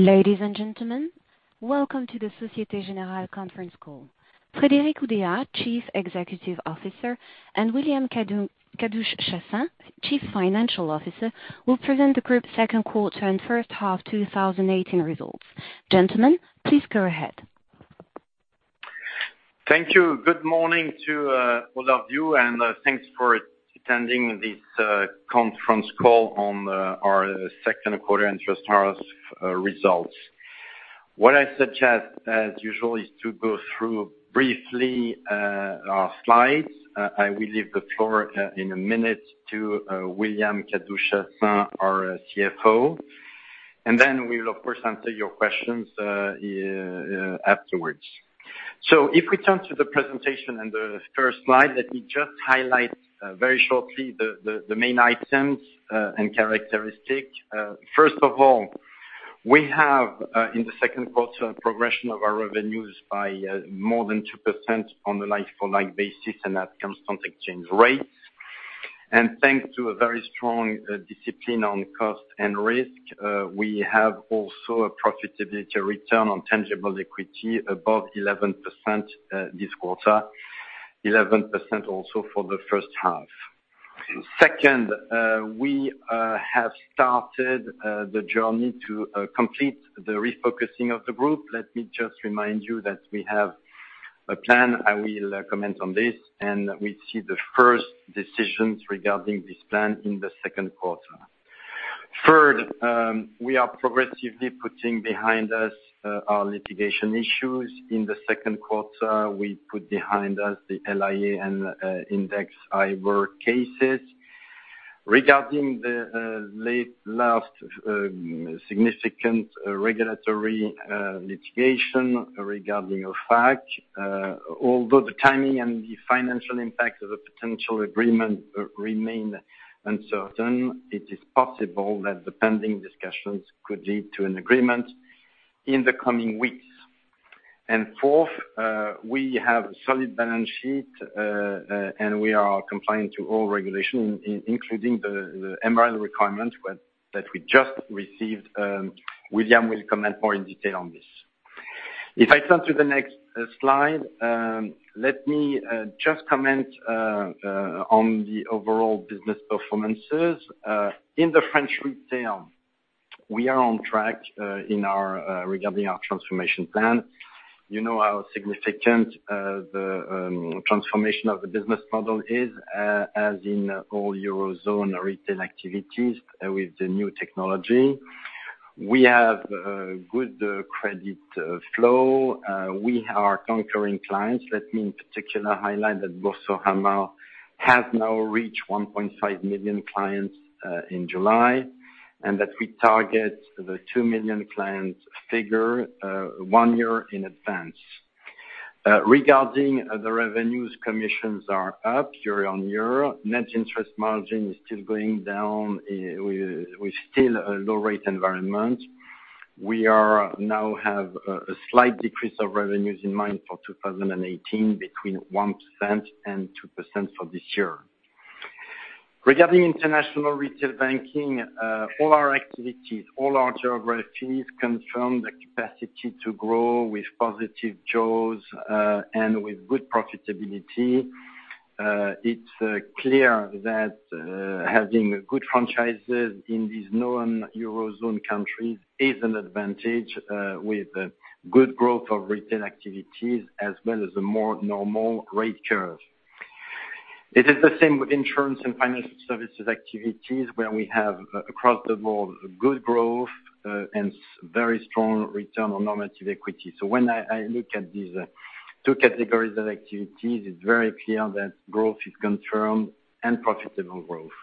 Ladies and gentlemen, welcome to the Société Générale conference call. Frédéric Oudéa, Chief Executive Officer, and William Kadouch-Chassaing, Chief Financial Officer, will present the group's second quarter and first half 2018 results. Gentlemen, please go ahead. Thank you. Good morning to all of you, and thanks for attending this conference call on our second quarter and first half results. What I suggest, as usual, is to go through briefly our slides. I will leave the floor in a minute to William Kadouch-Chassaing, our CFO. Then we will, of course, answer your questions afterwards. If we turn to the presentation and the first slide, let me just highlight very shortly the main items and characteristics. First of all, we have, in the second quarter, a progression of our revenues by more than 2% on a like-for-like basis. That's constant exchange rates. Thanks to a very strong discipline on cost and risk, we have also a profitability return on tangible equity above 11% this quarter, 11% also for the first half. Second, we have started the journey to complete the refocusing of the group. Let me just remind you that we have a plan, I will comment on this. We see the first decisions regarding this plan in the second quarter. Third, we are progressively putting behind us our litigation issues. In the second quarter, we put behind us the LIA and Index IBOR cases. Regarding the late last significant regulatory litigation regarding OFAC, although the timing and the financial impact of a potential agreement remain uncertain, it is possible that the pending discussions could lead to an agreement in the coming weeks. Fourth, we have a solid balance sheet. We are complying to all regulations, including the MREL requirement that we just received. William will comment more in detail on this. If I turn to the next slide, let me just comment on the overall business performances. In the French retail, we are on track regarding our transformation plan. You know how significant the transformation of the business model is, as in all Eurozone retail activities with the new technology. We have good credit flow. We are conquering clients. Let me, in particular, highlight that Boursorama has now reached 1.5 million clients in July. That we target the 2 million clients figure one year in advance. Regarding the revenues, commissions are up year-on-year. Net interest margin is still going down with still a low rate environment. We now have a slight decrease of revenues in mind for 2018, between 1%-2% for this year. Regarding international retail banking, all our activities, all our geographies confirm the capacity to grow with positive jaws and with good profitability. It's clear that having good franchises in these non-Eurozone countries is an advantage with good growth of retail activities as well as a more normal rate curve. It is the same with insurance and financial services activities, where we have, across the board, good growth and very strong return on normative equity. When I look at these two categories of activities, it is very clear that growth is confirmed and profitable growth.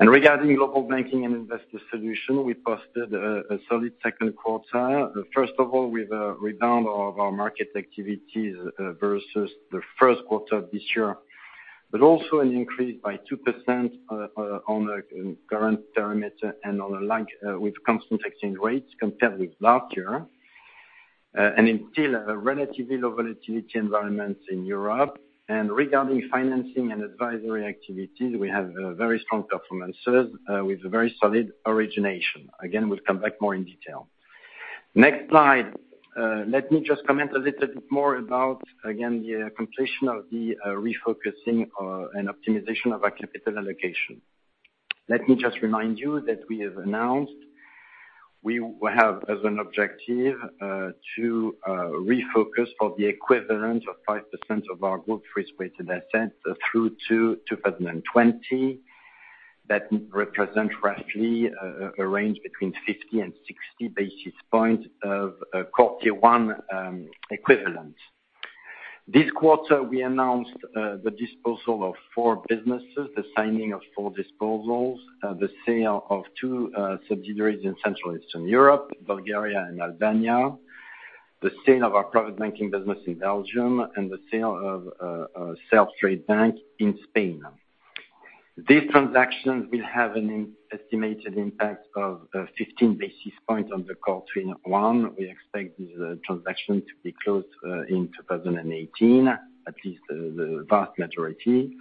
Regarding global banking and investor solution, we posted a solid second quarter. First of all, with a rebound of our market activities versus the first quarter of this year, but also an increase by 2% on a current perimeter and on a like with constant exchange rates compared with last year, and still a relatively low volatility environment in Europe. Regarding financing and advisory activities, we have very strong performances with very solid origination. Again, we will come back more in detail. Next slide. Let me just comment a little bit more about, again, the completion of the refocusing and optimization of our capital allocation. Let me just remind you that we have, as an objective, to refocus for the equivalent of 5% of our group risk-weighted assets through to 2020. That represents roughly a range between 50 and 60 basis points of Core Tier 1 equivalent. This quarter, we announced the disposal of four businesses, the signing of four disposals, the sale of two subsidiaries in Central Eastern Europe, Bulgaria and Albania, the sale of our private banking business in Belgium, and the sale of Self Trade Bank in Spain. These transactions will have an estimated impact of 15 basis points on the Core Tier 1. We expect these transactions to be closed in 2018, at least the vast majority.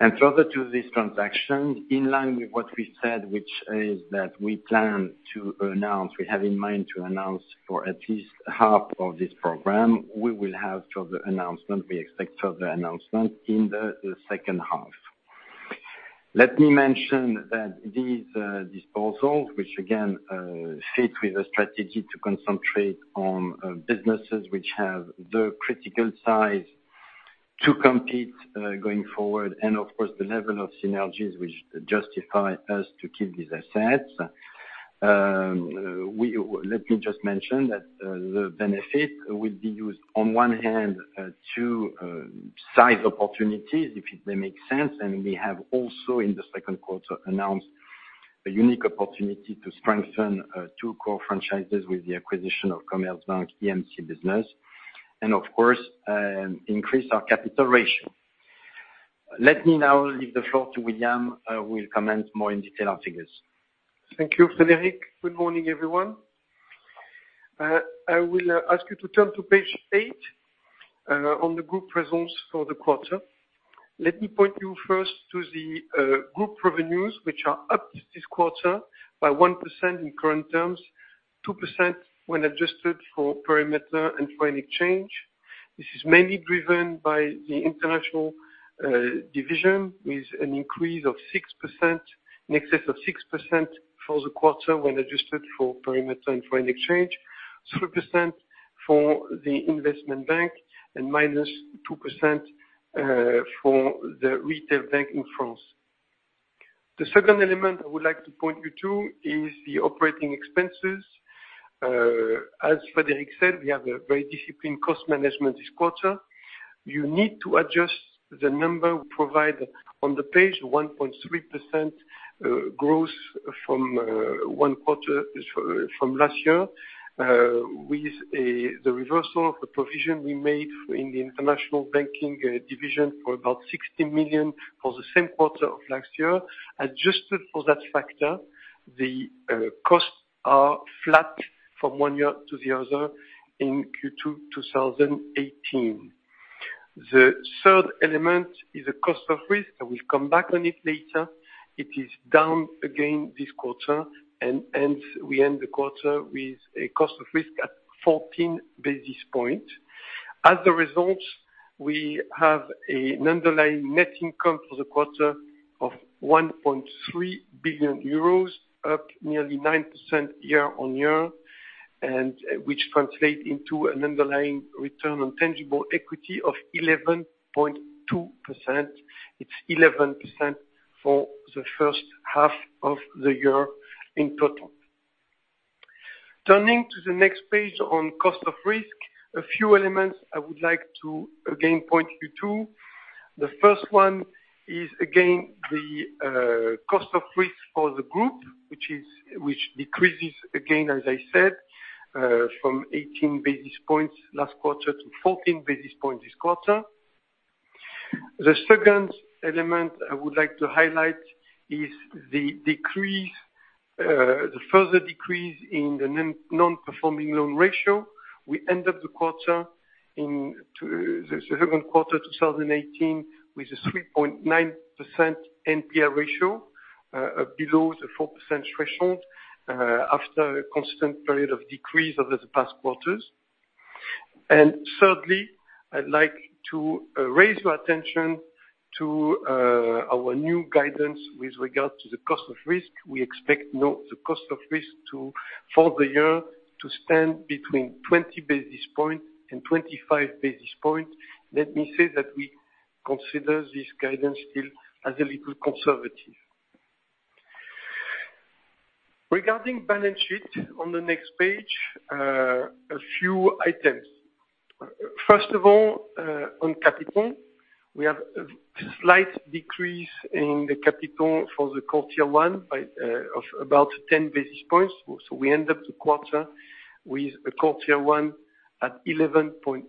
Further to this transaction, in line with what we said, which is that we plan to announce, we have in mind to announce for at least half of this program, we will have further announcement. We expect further announcement in the second half. Let me mention that these disposals, which again, fit with a strategy to concentrate on businesses which have the critical size to compete going forward, and of course, the level of synergies which justify us to keep these assets. Let me just mention that the benefit will be used on one hand to size opportunities if they make sense. We have also, in the second quarter, announced a unique opportunity to strengthen two core franchises with the acquisition of Commerzbank EMC business, and of course, increase our capital ratio. Let me now leave the floor to William, who will comment more in detail our figures. Thank you, Frédéric. Good morning, everyone. I will ask you to turn to page eight, on the group presence for the quarter. Let me point you first to the group revenues, which are up this quarter by 1% in current terms, 2% when adjusted for perimeter and foreign exchange. This is mainly driven by the international division, with an increase of 6%, in excess of 6% for the quarter when adjusted for perimeter and foreign exchange, 3% for the investment bank, and minus 2% for the retail bank in France. The second element I would like to point you to is the operating expenses. As Frédéric said, we have a very disciplined cost management this quarter. You need to adjust the number we provide on the page, 1.3% growth from one quarter from last year, with the reversal of the provision we made in the international banking division for about 60 million for the same quarter of last year. Adjusted for that factor, the costs are flat from one year to the other in Q2 2018. The third element is the cost of risk, and we'll come back on it later. It is down again this quarter, and we end the quarter with a cost of risk at 14 basis points. As a result, we have an underlying net income for the quarter of €1.3 billion, up nearly 9% year-on-year, and which translate into an underlying return on tangible equity of 11.2%. It's 11% for the first half of the year in total. Turning to the next page on cost of risk, a few elements I would like to, again, point you to. The first one is, again, the cost of risk for the group, which decreases again, as I said, from 18 basis points last quarter to 14 basis points this quarter. The second element I would like to highlight is the further decrease in the non-performing loan ratio. We end up the second quarter 2018 with a 3.9% NPL ratio, below the 4% threshold, after a constant period of decrease over the past quarters. Thirdly, I'd like to raise your attention to our new guidance with regard to the cost of risk. We expect the cost of risk for the year to stand between 20 basis points and 25 basis points. Let me say that we consider this guidance still as a little conservative. Regarding balance sheet, on the next page, a few items. First of all, on capital, we have a slight decrease in the capital for the quarter one of about 10 basis points. We end up the quarter with a quarter one at 11.1%.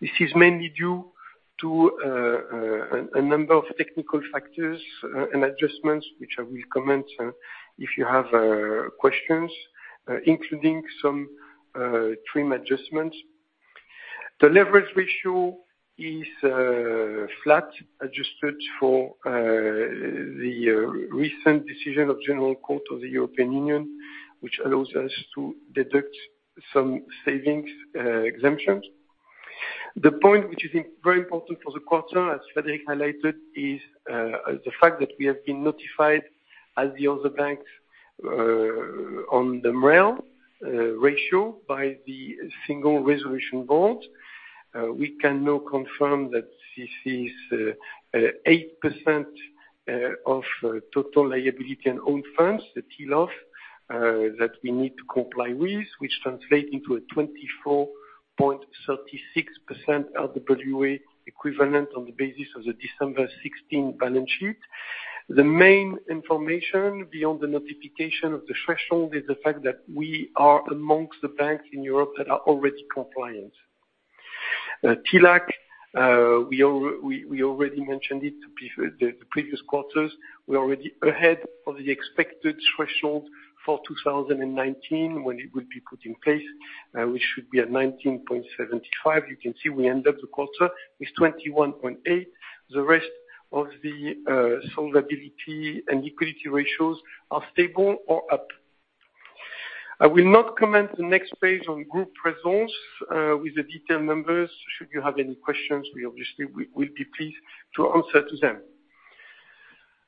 This is mainly due to a number of technical factors and adjustments, which I will comment if you have questions, including some TRIM adjustments. The leverage ratio is flat, adjusted for the recent decision of General Court of the European Union, which allows us to deduct some savings exemptions. The point which is very important for the quarter, as Frédéric highlighted, is the fact that we have been notified as the other banks, on the MREL ratio by the Single Resolution Board. We can now confirm that this is 8% of total liability and own funds, the TLAC, that we need to comply with, which translate into a 24.36% RWA equivalent on the basis of the December 2016 balance sheet. The main information beyond the notification of the threshold is the fact that we are amongst the banks in Europe that are already compliant. TLAC, we already mentioned it the previous quarters. We're already ahead of the expected threshold for 2019 when it will be put in place, we should be at 19.75%. You can see we end up the quarter with 21.8%. The rest of the solvency and liquidity ratios are stable or up. I will not comment the next page on group presence with the detailed numbers. Should you have any questions, we obviously will be pleased to answer to them.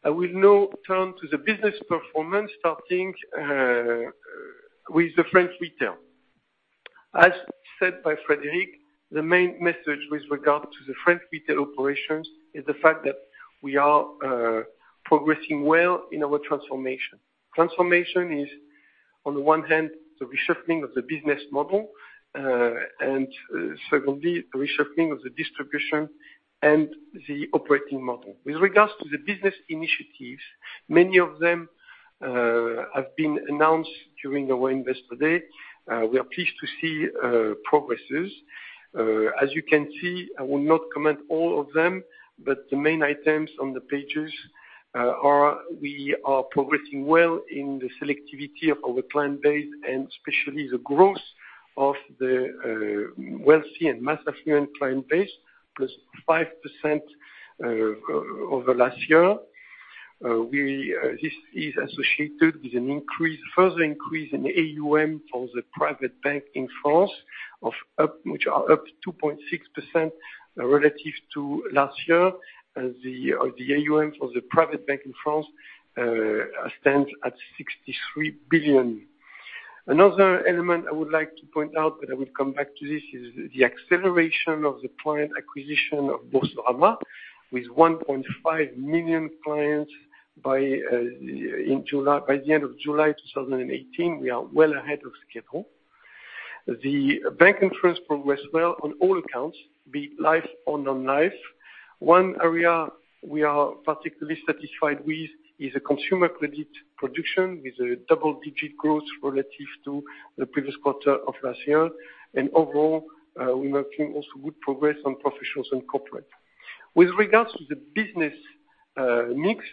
I will now turn to the business performance, starting with the French retail. As said by Frédéric, the main message with regard to the French retail operations is the fact that we are progressing well in our transformation. Transformation is, on the one hand, the reshuffling of the business model, and secondly, the reshuffling of the distribution and the operating model. With regards to the business initiatives, many of them have been announced during our Investor Day. We are pleased to see progresses. As you can see, I will not comment all of them, but the main items on the pages are, we are progressing well in the selectivity of our client base and especially the growth of the wealthy and mass affluent client base, plus 5% over last year. This is associated with a further increase in AUM for the private bank in France, which are up 2.6% relative to last year. The AUM for the private bank in France stands at 63 billion. Another element I would like to point out, but I will come back to this, is the acceleration of the client acquisition of Boursorama, with 1.5 million clients by the end of July 2018. We are well ahead of schedule. The bank insurance progressed well on all accounts, be it life or non-life. One area we are particularly satisfied with is the consumer credit production, with a double-digit growth relative to the previous quarter of last year. Overall, we're making also good progress on professionals and corporate. With regards to the business mix,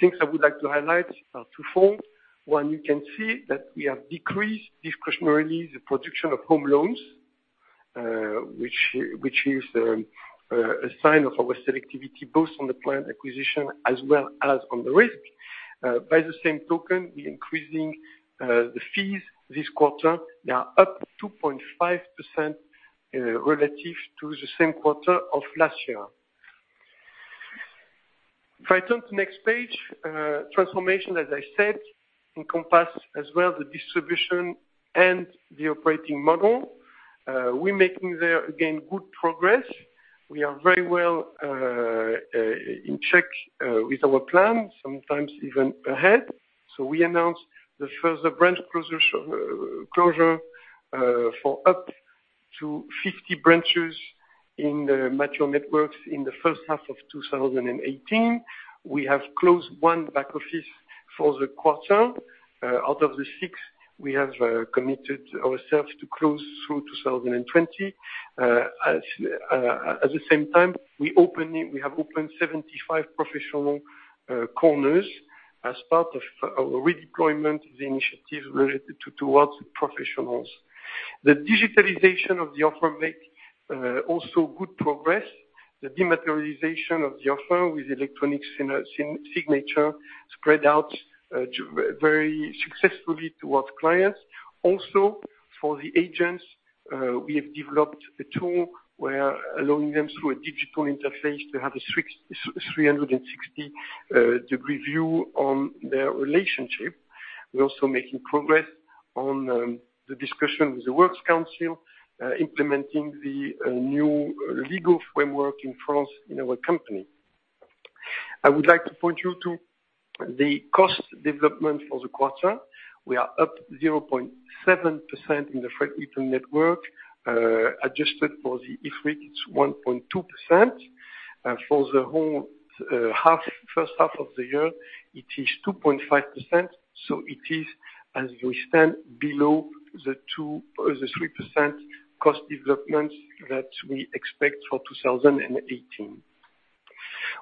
things I would like to highlight are twofold. One, you can see that we have decreased discretionary the production of home loans, which is a sign of our selectivity, both on the client acquisition as well as on the risk. By the same token, we increasing the fees this quarter, they are up 2.5% relative to the same quarter of last year. If I turn to next page, transformation, as I said, encompass as well the distribution and the operating model. We're making there, again, good progress. We are very well in check with our plan, sometimes even ahead. We announced the further branch closure for up to 50 branches in the Matmut networks in the first half of 2018. We have closed one back office for the quarter. Out of the six, we have committed ourselves to close through 2020. At the same time, we have opened 75 professional corners as part of our redeployment of the initiative related towards the professionals. The digitalization of the offer make also good progress. The dematerialization of the offer with electronic signature spread out very successfully towards clients. For the agents, we have developed a tool where allowing them through a digital interface to have a 360-degree view on their relationship. We're also making progress on the discussion with the Works Council, implementing the new legal framework in France in our company. I would like to point you to the cost development for the quarter. We are up 0.7% in the French retail network. Adjusted for the IFRIC, it's 1.2%. For the whole first half of the year, it is 2.5%. It is, as we stand, below the 3% cost development that we expect for 2018.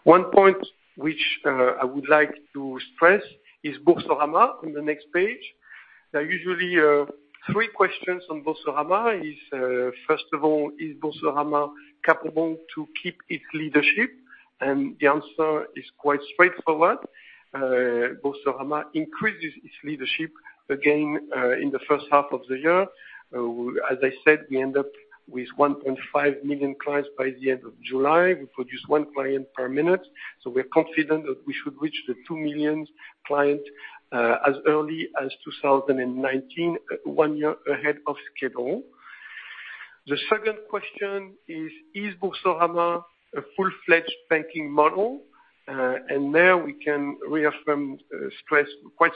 One point which I would like to stress is Boursorama on the next page. There are usually three questions on Boursorama, is Boursorama capable to keep its leadership? The answer is quite straightforward. Boursorama increases its leadership again in the first half of the year. As I said, we end up with 1.5 million clients by the end of July. We produce one client per minute, so we're confident that we should reach the two millionth client as early as 2019, one year ahead of schedule. The second question is Boursorama a full-fledged banking model? There we can reaffirm, stress quite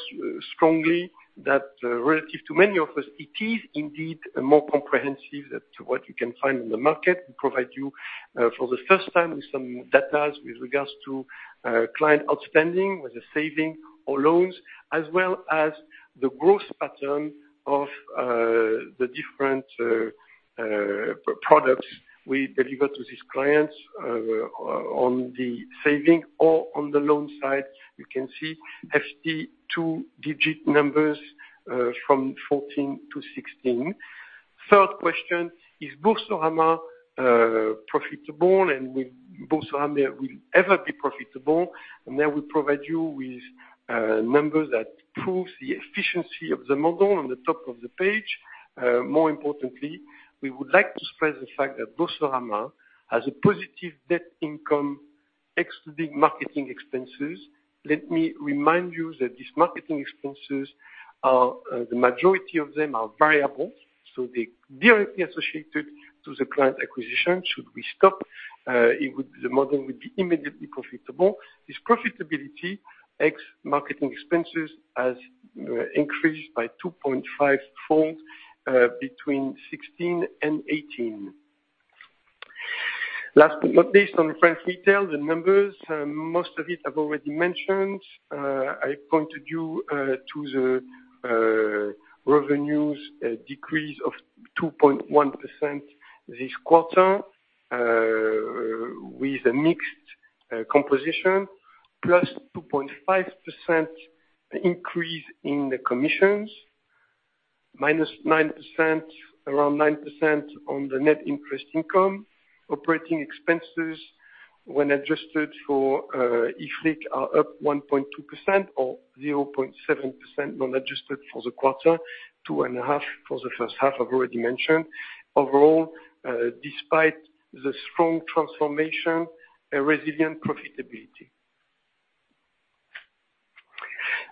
strongly that relative to many of us, it is indeed more comprehensive to what you can find in the market. We provide you, for the first time, with some data with regards to client outstanding with the saving or loans, as well as the growth pattern of the different products we deliver to these clients on the saving or on the loan side. You can see two-digit numbers from 14 to 16. Third question, is Boursorama profitable, and will Boursorama ever be profitable? Then we provide you with numbers that prove the efficiency of the model on the top of the page. More importantly, we would like to stress the fact that Boursorama has a positive net income excluding marketing expenses. Let me remind you that these marketing expenses, the majority of them are variable, so they're directly associated to the client acquisition. Should we stop, the model would be immediately profitable. This profitability, ex marketing expenses, has increased by 2.54 between 2016 and 2018. Last but not least, on French retail, the numbers, most of it I've already mentioned. I pointed you to the revenues decrease of 2.1% this quarter, with a mixed composition, plus 2.5% increase in the commissions, minus 9%, around 9% on the net interest income. Operating expenses when adjusted for IFRIC are up 1.2% or 0.7% when adjusted for the quarter, 2.5% for the first half, I've already mentioned. Overall, despite the strong transformation, a resilient profitability.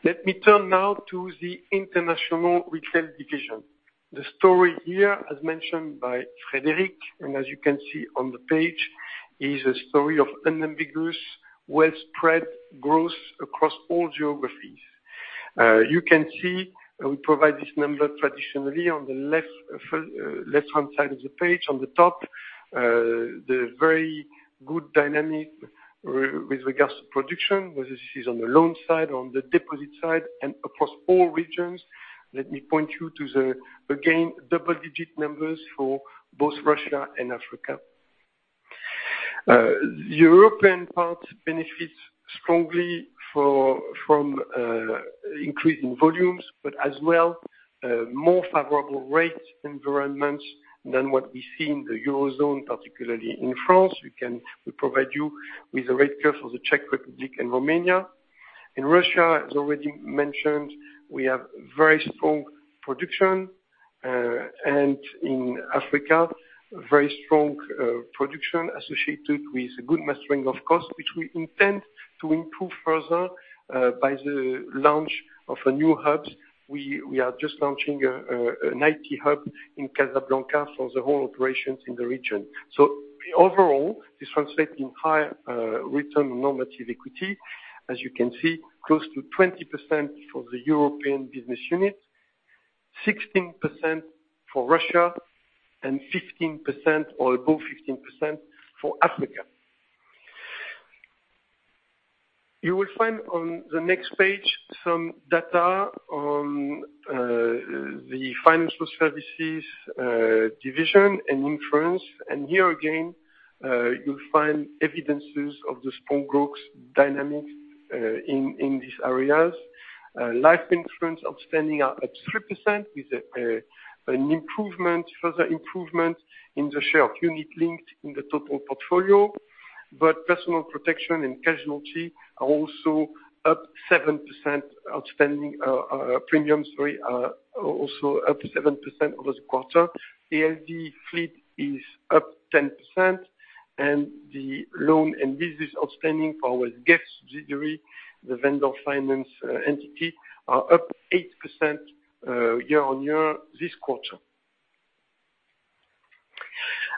Let me turn now to the International Retail division. The story here, as mentioned by Frédéric, and as you can see on the page, is a story of unambiguous, widespread growth across all geographies. You can see we provide this number traditionally on the left-hand side of the page, on the top, the very good dynamic with regards to production, whether this is on the loan side or on the deposit side, and across all regions. Let me point you to the, again, double-digit numbers for both Russia and Africa. European part benefits strongly from increase in volumes, but as well, more favorable rate environments than what we see in the Eurozone, particularly in France. We provide you with the rate curve for the Czech Republic and Romania. In Russia, as already mentioned, we have very strong production. In Africa, very strong production associated with good mastering of cost, which we intend to improve further by the launch of a new hub. We are just launching an IT hub in Casablanca for the whole operations in the region. Overall, this translates in high return on normative equity. As you can see, close to 20% for the European business unit, 16% for Russia, and 15% or above 15% for Africa. You will find on the next page some data on the Financial Services division and insurance. Here again, you'll find evidence of the strong growth dynamic in these areas. Life insurance outstanding are at 3% with an improvement, further improvement in the share of unit-linked in the total portfolio. Personal protection and casualty are also up 7% Premiums, sorry, are also up 7% over the quarter. ALD fleet is up 10%, the loan and lease outstanding for our GEFA subsidiary, the vendor finance entity, are up 8% year-over-year this quarter.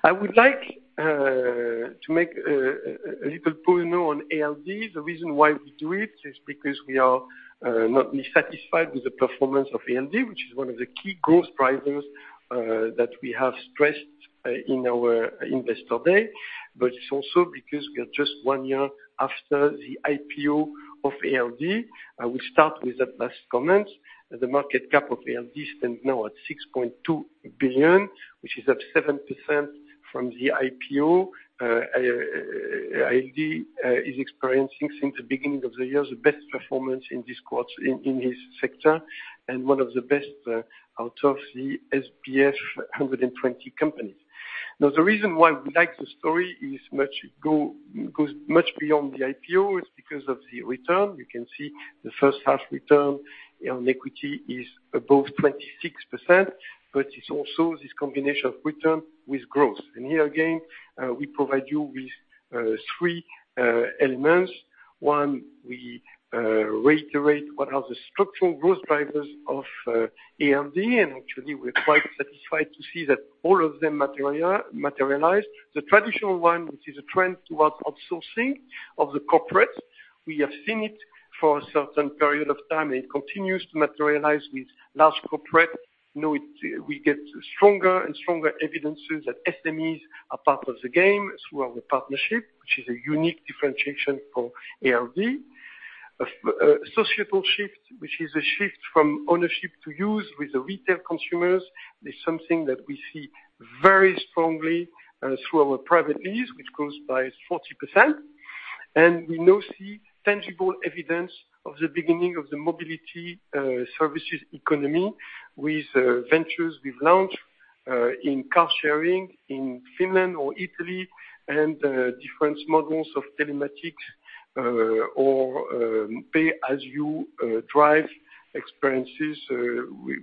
I would like to make a little point now on ALD. The reason why we do it is because we are not only satisfied with the performance of ALD, which is one of the key growth drivers that we have stressed in our Investor Day. It's also because we are just one year after the IPO of ALD. I will start with the last comment. The market cap of ALD stands now at 6.2 billion, which is up 7% from the IPO. ALD is experiencing since the beginning of the year, the best performance in this quarter in this sector and one of the best out of the SBF 120 companies. The reason why we like the story goes much beyond the IPO. It's because of the return. You can see the first half return on equity is above 26%, it's also this combination of return with growth. Here again, we provide you with three elements. One, we reiterate what are the structural growth drivers of ALD, actually, we're quite satisfied to see that all of them materialized. The traditional one, which is a trend towards outsourcing of the corporate. We have seen it for a certain period of time, it continues to materialize with large corporate. We get stronger and stronger evidence that SMEs are part of the game through our partnership, which is a unique differentiation for ALD. A societal shift, which is a shift from ownership to use with the retail consumers, is something that we see very strongly through our private lease, which grows by 40%. We now see tangible evidence of the beginning of the mobility services economy with ventures we've launched in car sharing in Finland or Italy, different models of telematics, or pay-as-you-drive experiences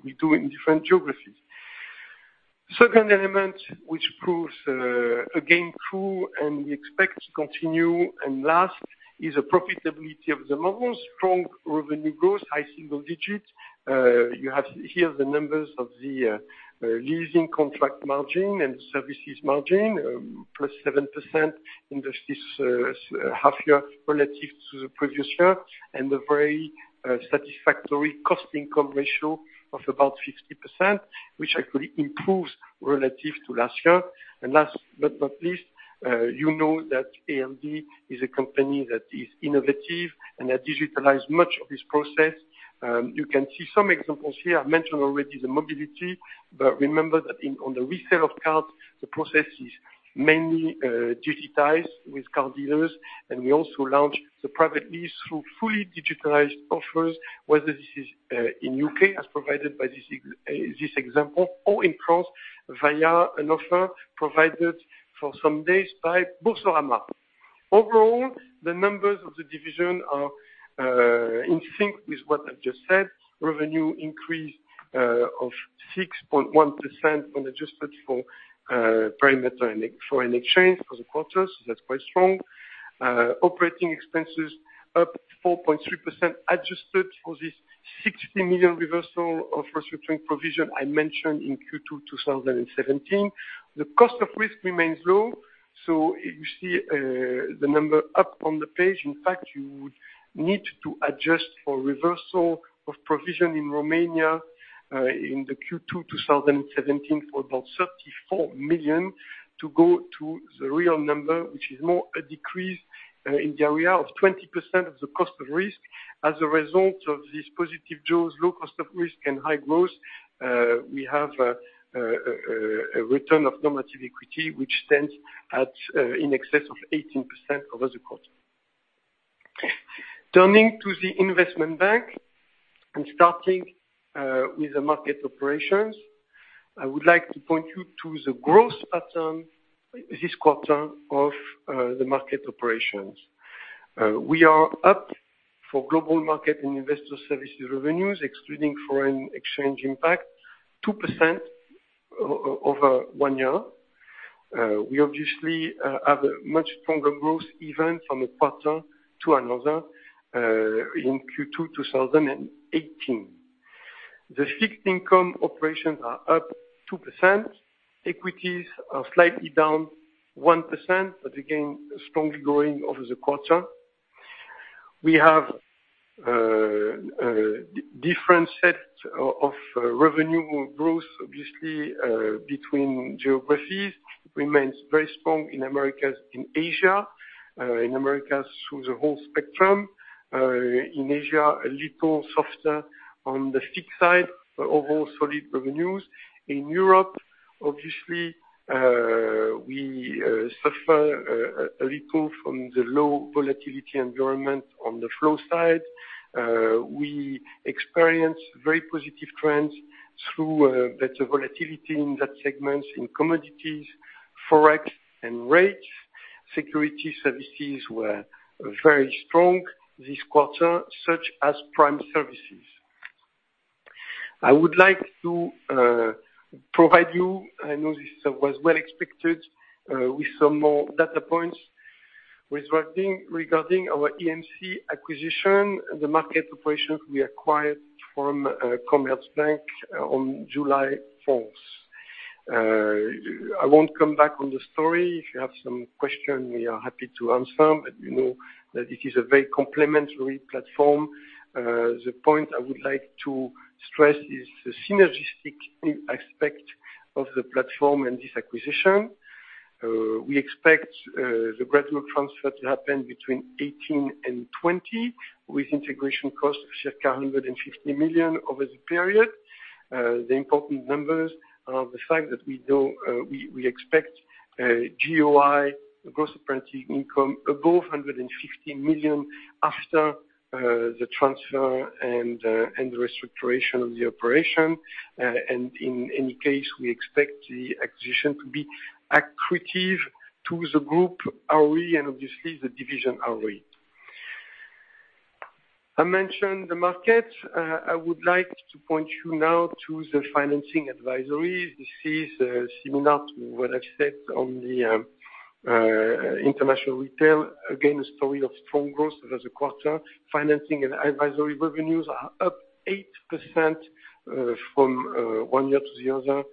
we do in different geographies. Second element, which proves again true, we expect to continue and last, is a profitability of the models, strong revenue growth, high single digits. You have here the numbers of the leasing contract margin and services margin, plus 7% in this half year relative to the previous year, a very satisfactory cost-income ratio of about 50%, which actually improves relative to last year. Last but not least, you know that ALD is a company that is innovative and has digitalized much of its process. You can see some examples here. I mentioned already the mobility. Remember that on the resale of cars, the process is mainly digitized with car dealers, we also launched the private lease through fully digitalized offers, whether this is in U.K., as provided by this example, or in France, via an offer provided for some days by Boursorama. Overall, the numbers of the division are in sync with what I've just said. Revenue increase of 6.1% on adjusted full parameter and foreign exchange for the quarters. That's quite strong. Operating expenses up 4.3%, adjusted for this 60 million reversal of restructuring provision I mentioned in Q2 2017. The cost of risk remains low. You see the number up on the page. In fact, you would need to adjust for reversal of provision in Romania, in the Q2 2017, for about 34 million to go to the real number, which is more a decrease in the area of 20% of the cost of risk. As a result of these positive jaws, low cost of risk and high growth, we have a return of normative equity, which stands at in excess of 18% over the quarter. Turning to the investment bank and starting with the market operations, I would like to point you to the growth pattern this quarter of the market operations. We are up for global market and investor services revenues, excluding foreign exchange impact, 2% over one year. We obviously have a much stronger growth even from a pattern to another, in Q2 2018. The fixed income operations are up 2%. Equities are slightly down 1%, but again, strongly growing over the quarter. We have different sets of revenue growth, obviously, between geographies. Remains very strong in Americas, in Asia. In Americas, through the whole spectrum. In Asia, a little softer on the fixed side, but overall solid revenues. In Europe, obviously, we suffer a little from the low volatility environment on the flow side. We experience very positive trends through better volatility in that segment in commodities, Forex, and rates. Security services were very strong this quarter, such as prime services. I would like to provide you, I know this was well expected, with some more data points regarding our EMC acquisition, the market operations we acquired from Commerzbank on July 4th. I won't come back on the story. If you have some questions, we are happy to answer them, but you know that it is a very complementary platform. The point I would like to stress is the synergistic aspect of the platform and this acquisition. We expect the gradual transfer to happen between 2018 and 2020, with integration costs of circa 150 million over the period. The important numbers are the fact that we expect GOI, gross operating income, above 150 million after the transfer and the restoration of the operation. In any case, we expect the acquisition to be accretive to the group ROE and obviously, the division ROE. I mentioned the market. I would like to point you now to the financing advisory. This is similar to what I've said on the international retail. Again, a story of strong growth over the quarter. Financing and advisory revenues are up 8% from one year to the other,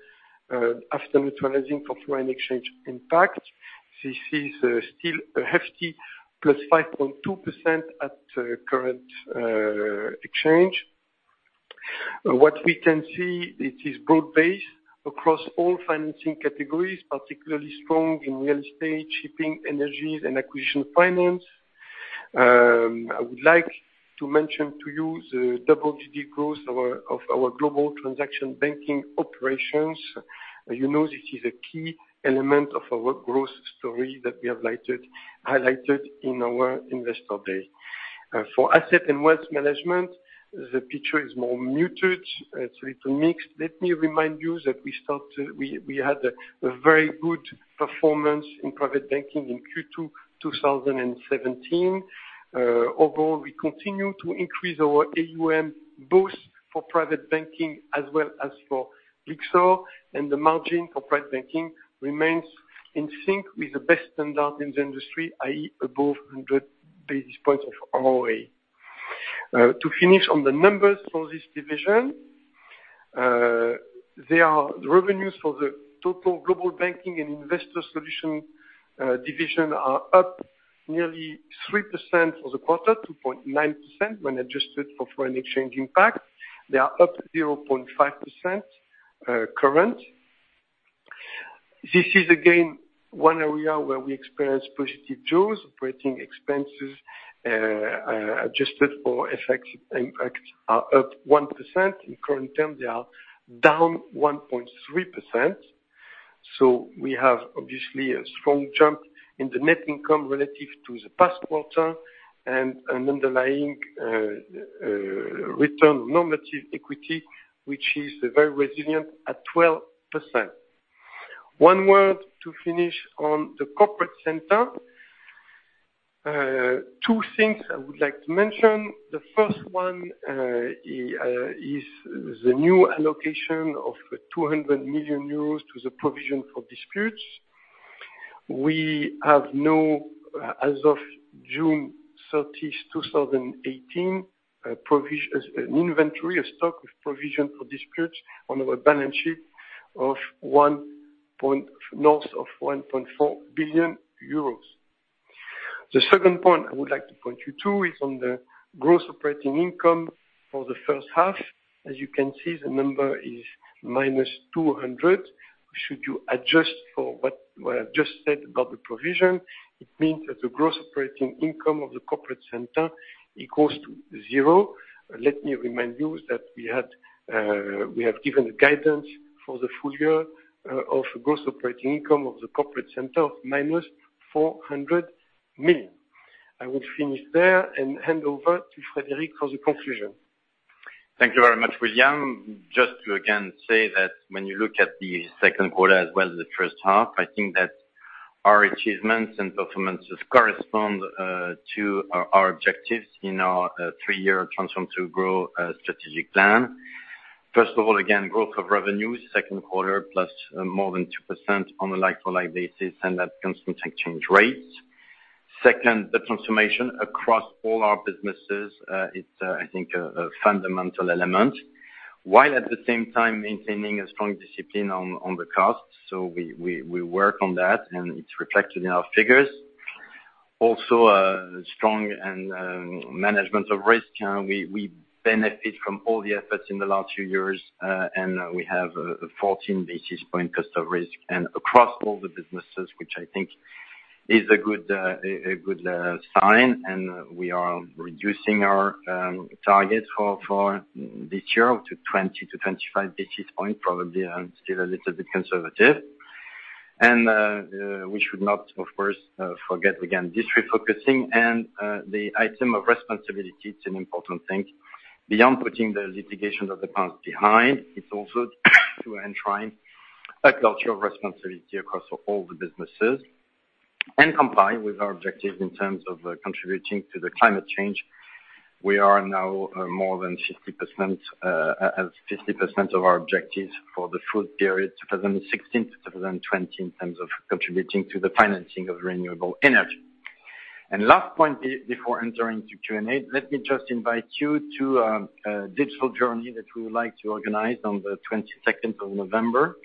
after neutralizing for foreign exchange impact. This is still a hefty plus 5.2% at current exchange. What we can see, it is broad based across all financing categories, particularly strong in real estate, shipping, energies, and acquisition finance. I would like to mention to you the double-digit growth of our global transaction banking operations. You know this is a key element of our growth story that we have highlighted in our Investor Day. For asset and wealth management, the picture is more muted. It's a little mixed. Let me remind you that we had a very good performance in private banking in Q2 2017. Overall, we continue to increase our AUM both for private banking as well as for Lyxor, and the margin for private banking remains in sync with the best standard in the industry, i.e., above 100 basis points of ROA. To finish on the numbers for this division, the revenues for the total global banking and investor solution division are up nearly 3% for the quarter, 2.9% when adjusted for foreign exchange impact. They are up 0.5% current. This is again, one area where we experience positive jaws. Operating expenses, adjusted for FX impact are up 1% in current term. They are down 1.3%. We have obviously a strong jump in the net income relative to the past quarter and an underlying return on normative equity, which is very resilient at 12%. One word to finish on the corporate center. Two things I would like to mention. The first one is the new allocation of 200 million euros to the provision for disputes. We have no, as of June 30, 2018, an inventory, a stock with provision for disputes on our balance sheet of north of 1.4 billion euros. The second point I would like to point you to is on the gross operating income for the first half. As you can see, the number is -200. Should you adjust for what I've just said about the provision, it means that the gross operating income of the corporate center equals to zero. Let me remind you that we have given a guidance for the full year of gross operating income of the corporate center of -400 million. I will finish there and hand over to Frédéric for the conclusion. Thank you very much, William. Just to, again, say that when you look at the second quarter as well as the first half, I think that our achievements and performances correspond to our objectives in our three-year Transform to Grow strategic plan. First of all, again, growth of revenues, second quarter, plus more than 2% on a like-for-like basis, and that's constant exchange rates. Second, the transformation across all our businesses, it's, I think, a fundamental element, while at the same time maintaining a strong discipline on the costs. We work on that, and it's reflected in our figures. Also, strong management of risk. We benefit from all the efforts in the last few years, we have a 14 basis point cost of risk across all the businesses, which I think is a good sign, we are reducing our targets for this year up to 20 to 25 basis points probably, still a little bit conservative. We should not, of course, forget, again, this refocusing and the item of responsibility. It's an important thing. Beyond putting the litigation of the past behind, it's also to enshrine a culture of responsibility across all the businesses and comply with our objectives in terms of contributing to the climate change. We are now at 50% of our objectives for the full period 2016 to 2020 in terms of contributing to the financing of renewable energy. Last point before entering to Q&A, let me just invite you to a digital journey that we would like to organize on the 22nd of November.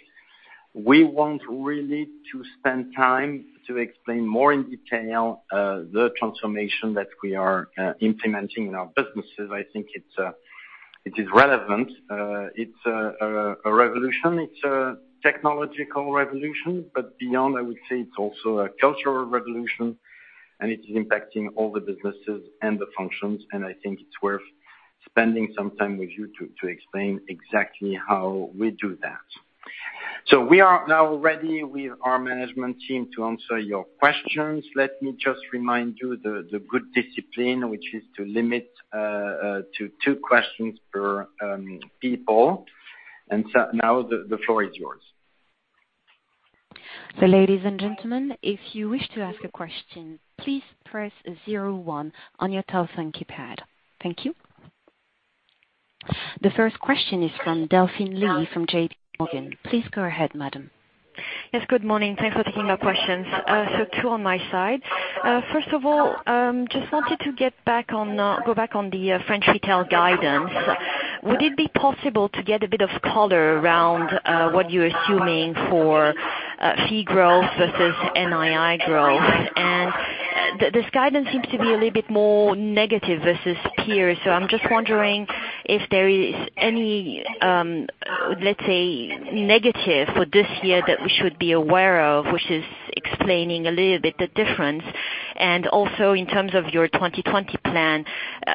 We want really to spend time to explain more in detail the transformation that we are implementing in our businesses. I think it is relevant. It's a revolution. It's a technological revolution, but beyond, I would say it's also a cultural revolution, and it is impacting all the businesses and the functions, and I think it's worth spending some time with you to explain exactly how we do that. We are now ready with our management team to answer your questions. Let me just remind you the good discipline, which is to limit to two questions per person. Now, the floor is yours. Ladies and gentlemen, if you wish to ask a question, please press 01 on your telephone keypad. Thank you. The first question is from Delphine Lee, from JPMorgan. Please go ahead, madam. Yes. Good morning. Thanks for taking our questions. Two on my side. First of all, just wanted to go back on the French retail guidance. Would it be possible to get a bit of color around what you're assuming for fee growth versus NII growth? This guidance seems to be a little bit more negative versus peers. I'm just wondering if there is any, let's say, negative for this year that we should be aware of, which is explaining a little bit the difference. Also, in terms of your 2020 plan,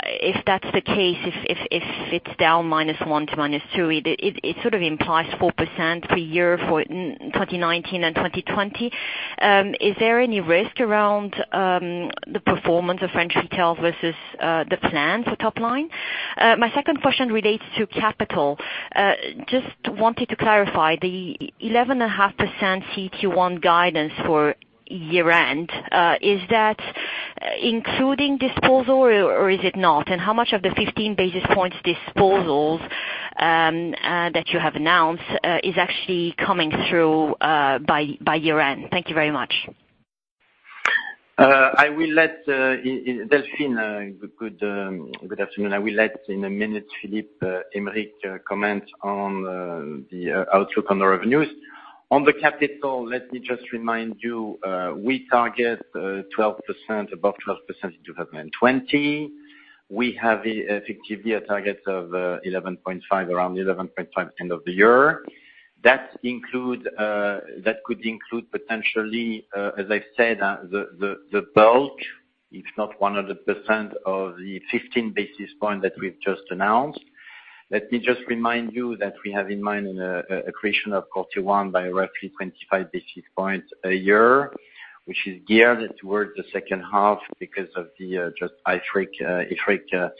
if that's the case, if it's down -1% to -2%, it sort of implies 4% per year for 2019 and 2020. Is there any risk around the performance of French retail versus the plan for top line? My second question relates to capital. Just wanted to clarify, the 11.5% CET1 guidance for year-end. Is that including disposal or is it not? How much of the 15 basis points disposals that you have announced is actually coming through by year-end? Thank you very much. Delphine, good afternoon. I will let, in a minute, Philippe Heim comment on the outlook on the revenues. On the capital, let me just remind you, we target above 12% in 2020. We have effectively a target of 11.5%, around 11.5% year-end. That could include potentially, as I said, the bulk, if not 100% of the 15 basis points that we've just announced. Let me just remind you that we have in mind an accretion of CET1 by roughly 25 basis points a year, which is geared towards the second half because of the IFRIC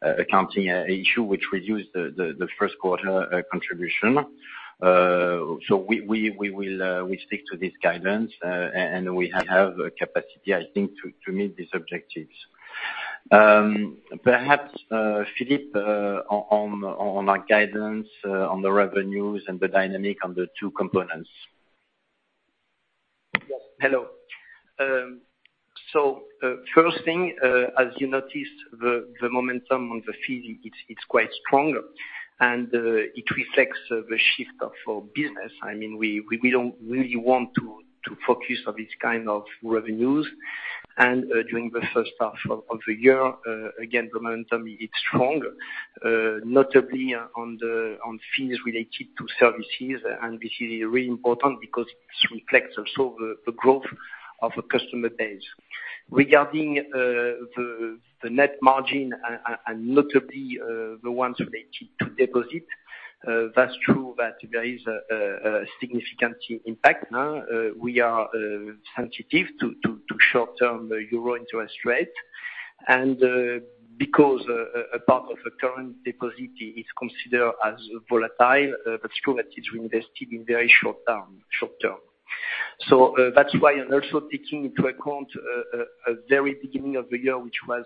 accounting issue, which reduced the first quarter contribution. We stick to this guidance, and we have capacity, I think, to meet these objectives. Perhaps Philippe, on our guidance on the revenues and the dynamic on the two components. Yes. Hello. First thing, as you noticed, the momentum on the fee, it's quite strong, and it reflects the shift of our business. We don't really want to focus on this kind of revenues. During the first half of the year, again, the momentum it's strong, notably on fees related to services, and this is really important because it reflects also the growth of our customer base. Regarding the net margin, and notably the ones related to deposit, that's true that there is a significant impact. We are sensitive to short-term EUR interest rate, and because a part of our current deposit is considered as volatile, but still it is reinvested in very short-term. That's why, and also taking into account very beginning of the year, which was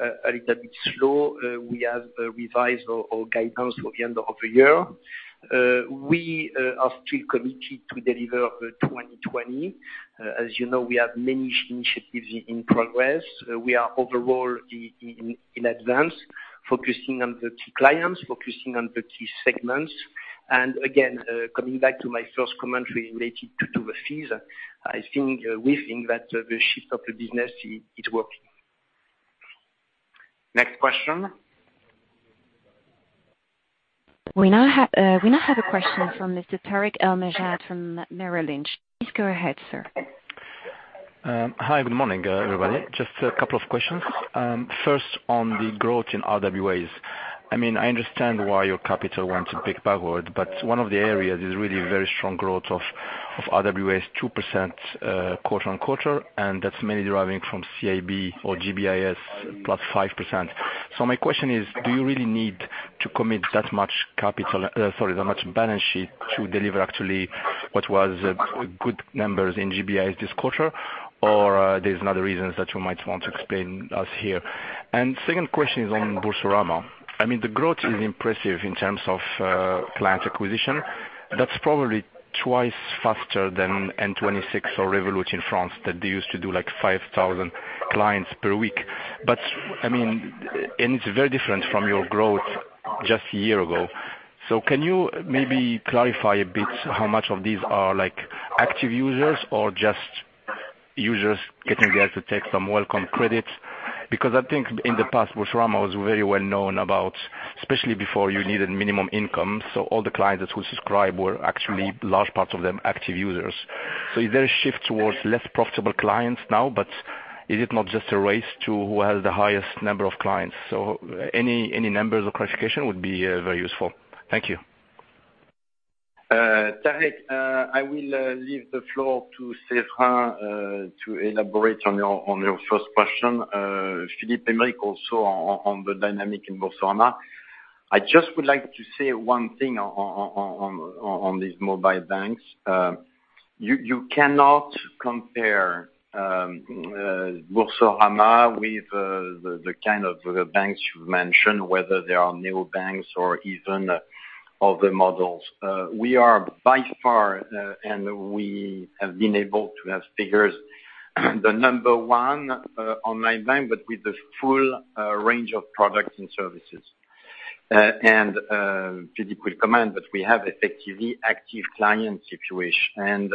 a little bit slow, we have revised our guidance for the year-end. We are still committed to deliver the 2020. As you know, we have many initiatives in progress. We are overall in advance, focusing on the key clients, focusing on the key segments. Again, coming back to my first comment related to the fees, we think that the shift of the business is working. Next question. We now have a question from Mr. Tarik El Mejjat from Merrill Lynch. Please go ahead, sir. Hi, good morning, everybody. Just a couple of questions. First on the growth in RWAs. I understand why your capital wants to break backward, but one of the areas is really very strong growth of RWAs 2% quarter-on-quarter, and that's mainly deriving from CIB or GBIS +5%. My question is, do you really need to commit that much balance sheet to deliver actually what was good numbers in GBIS this quarter? Is there another reason that you might want to explain us here. Second question is on Boursorama. The growth is impressive in terms of client acquisition. That's probably twice faster than N26 or Revolut in France that they used to do 5,000 clients per week. It's very different from your growth just a year-ago. Can you maybe clarify a bit how much of these are active users or just users getting there to take some welcome credit? Because I think in the past, Boursorama was very well known about, especially before you needed minimum income, so all the clients that would subscribe were actually large parts of them, active users. Is there a shift towards less profitable clients now? Is it not just a race to who has the highest number of clients? Any numbers or clarification would be very useful. Thank you. Tarek, I will leave the floor to Séverin to elaborate on your first question. Philippe Heim also on the dynamic in Boursorama. I just would like to say one thing on these mobile banks. You cannot compare Boursorama with the kind of banks you've mentioned, whether they are neobanks or even other models. We are by far, and we have been able to have figures, the number one online bank, but with a full range of products and services. Philippe will comment, but we have effectively active client situation.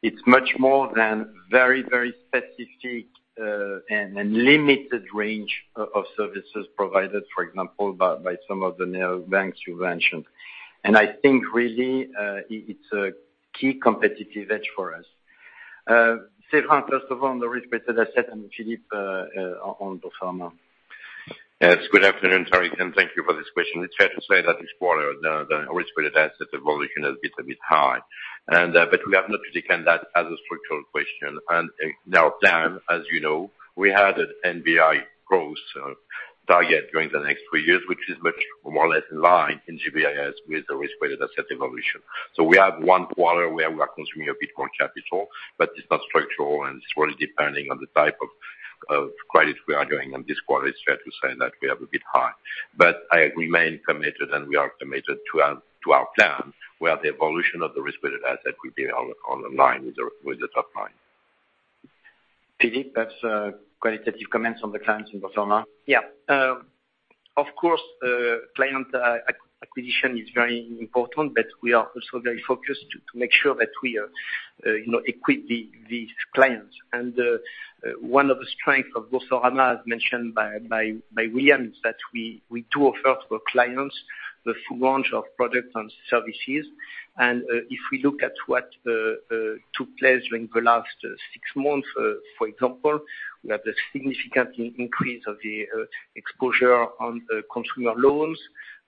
It's much more than very specific and limited range of services provided, for example, by some of the neobanks you mentioned. I think really, it's a key competitive edge for us. Séverin, first of all, on the risk-weighted asset, and Philippe, on Boursorama. Yes. Good afternoon, Tarek, and thank you for this question. It's fair to say that this quarter, the risk-weighted asset evolution has been a bit high. We have not taken that as a structural question. Now, [Dan], as you know, we had an NBI growth target during the next three years, which is much more or less in line in GBIS with the risk-weighted asset evolution. We have one quarter where we are consuming a bit more capital, but it's not structural, and it's really depending on the type of credit we are doing, and this quarter it's fair to say that we are a bit high. I remain committed, and we are committed to our plan, where the evolution of the risk-weighted asset will be on the line with the top line. Philippe, perhaps qualitative comments on the clients in Boursorama. Yeah. Of course, client acquisition is very important. We are also very focused to make sure that we equip these clients. One of the strengths of Boursorama, as mentioned by William, is that we do offer to our clients the full range of products and services. If we look at what took place during the last six months, for example, we have a significant increase of the exposure on consumer loans.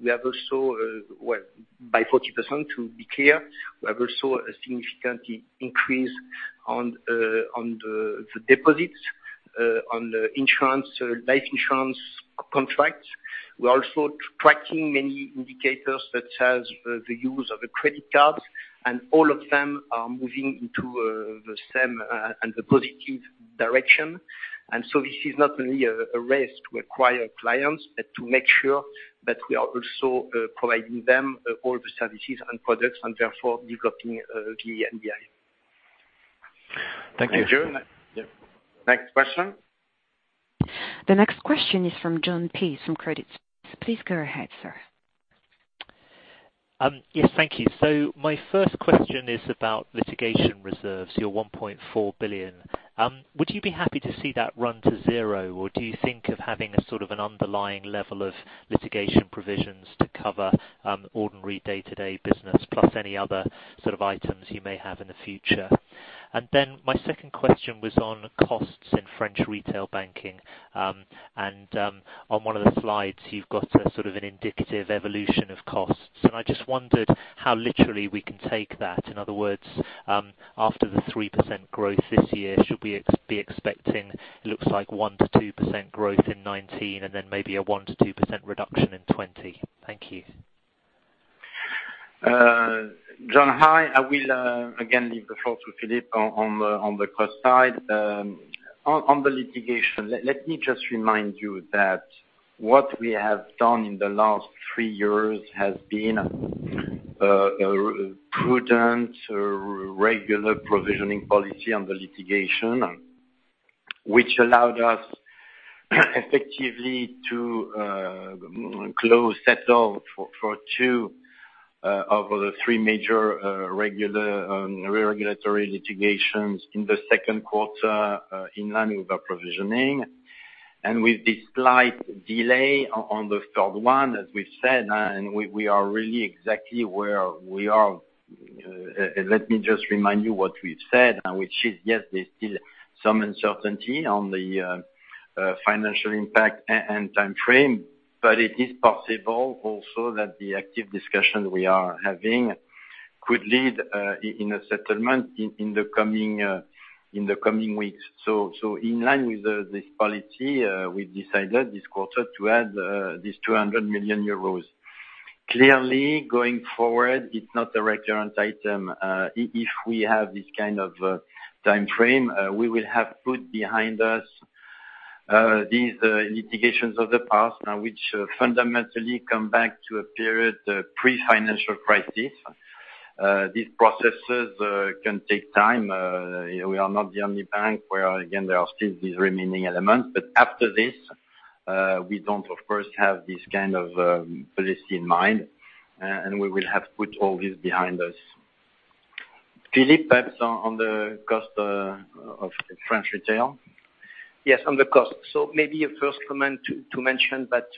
We have also Well, by 40%, to be clear. We have also a significant increase on the deposits, on the life insurance contracts. We're also tracking many indicators that has the use of the credit cards, and all of them are moving into the same and the positive direction. This is not only a race to acquire clients, but to make sure that we are also providing them all the services and products, and therefore developing the NBI. Thank you. Next question. The next question is from Jon Peace from Credit Suisse. Please go ahead, sir. Yes, thank you. My first question is about litigation reserves, your 1.4 billion. Would you be happy to see that run to zero, or do you think of having a sort of an underlying level of litigation provisions to cover ordinary day-to-day business plus any other sort of items you may have in the future? Then my second question was on costs in French retail banking. On one of the slides, you've got a sort of an indicative evolution of costs. I just wondered how literally we can take that. In other words, after the 3% growth this year, should we be expecting, looks like 1%-2% growth in 2019 and then maybe a 1%-2% reduction in 2020? Thank you. Jon, hi. I will, again, leave the floor to Philippe on the cost side. On the litigation, let me just remind you that what we have done in the last three years has been a prudent, regular provisioning policy on the litigation, which allowed us effectively to close, settle for two of the three major regulatory litigations in the second quarter, in line with the provisioning. With this slight delay on the third one, as we've said, we are really exactly where we are. Let me just remind you what we've said, which is, yes, there's still some uncertainty on the financial impact and timeframe, but it is possible also that the active discussion we are having could lead in a settlement in the coming weeks. In line with this policy, we've decided this quarter to add this 200 million euros. Clearly, going forward, it's not a recurrent item. If we have this kind of timeframe, we will have put behind us these litigations of the past, which fundamentally come back to a period pre-financial crisis. These processes can take time. We are not the only bank where, again, there are still these remaining elements. After this, we don't, of course, have this kind of policy in mind, and we will have put all this behind us. Philippe, perhaps on the cost of French retail. Yes, on the cost. Maybe a first comment to mention that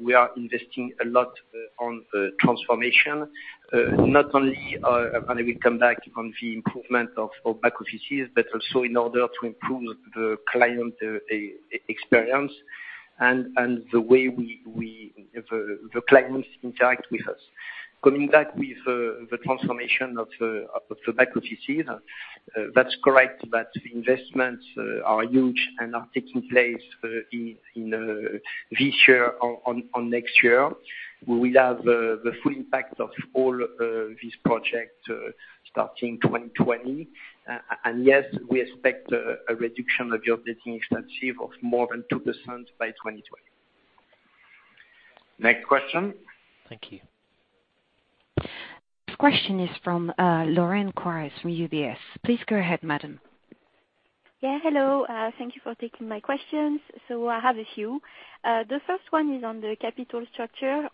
we are investing a lot on transformation. Not only, and I will come back on the improvement of back offices, but also in order to improve the client experience and the way the clients interact with us. Coming back with the transformation of the back offices, that's correct that investments are huge and are taking place this year or next year. We will have the full impact of all these projects starting 2020. Yes, we expect a reduction of the operating expense of more than 2% by 2020. Next question. Thank you. This question is from Lorraine Quoirez from UBS. Please go ahead, madam. Hello. Thank you for taking my questions. I have a few. The first one is on the capital structure.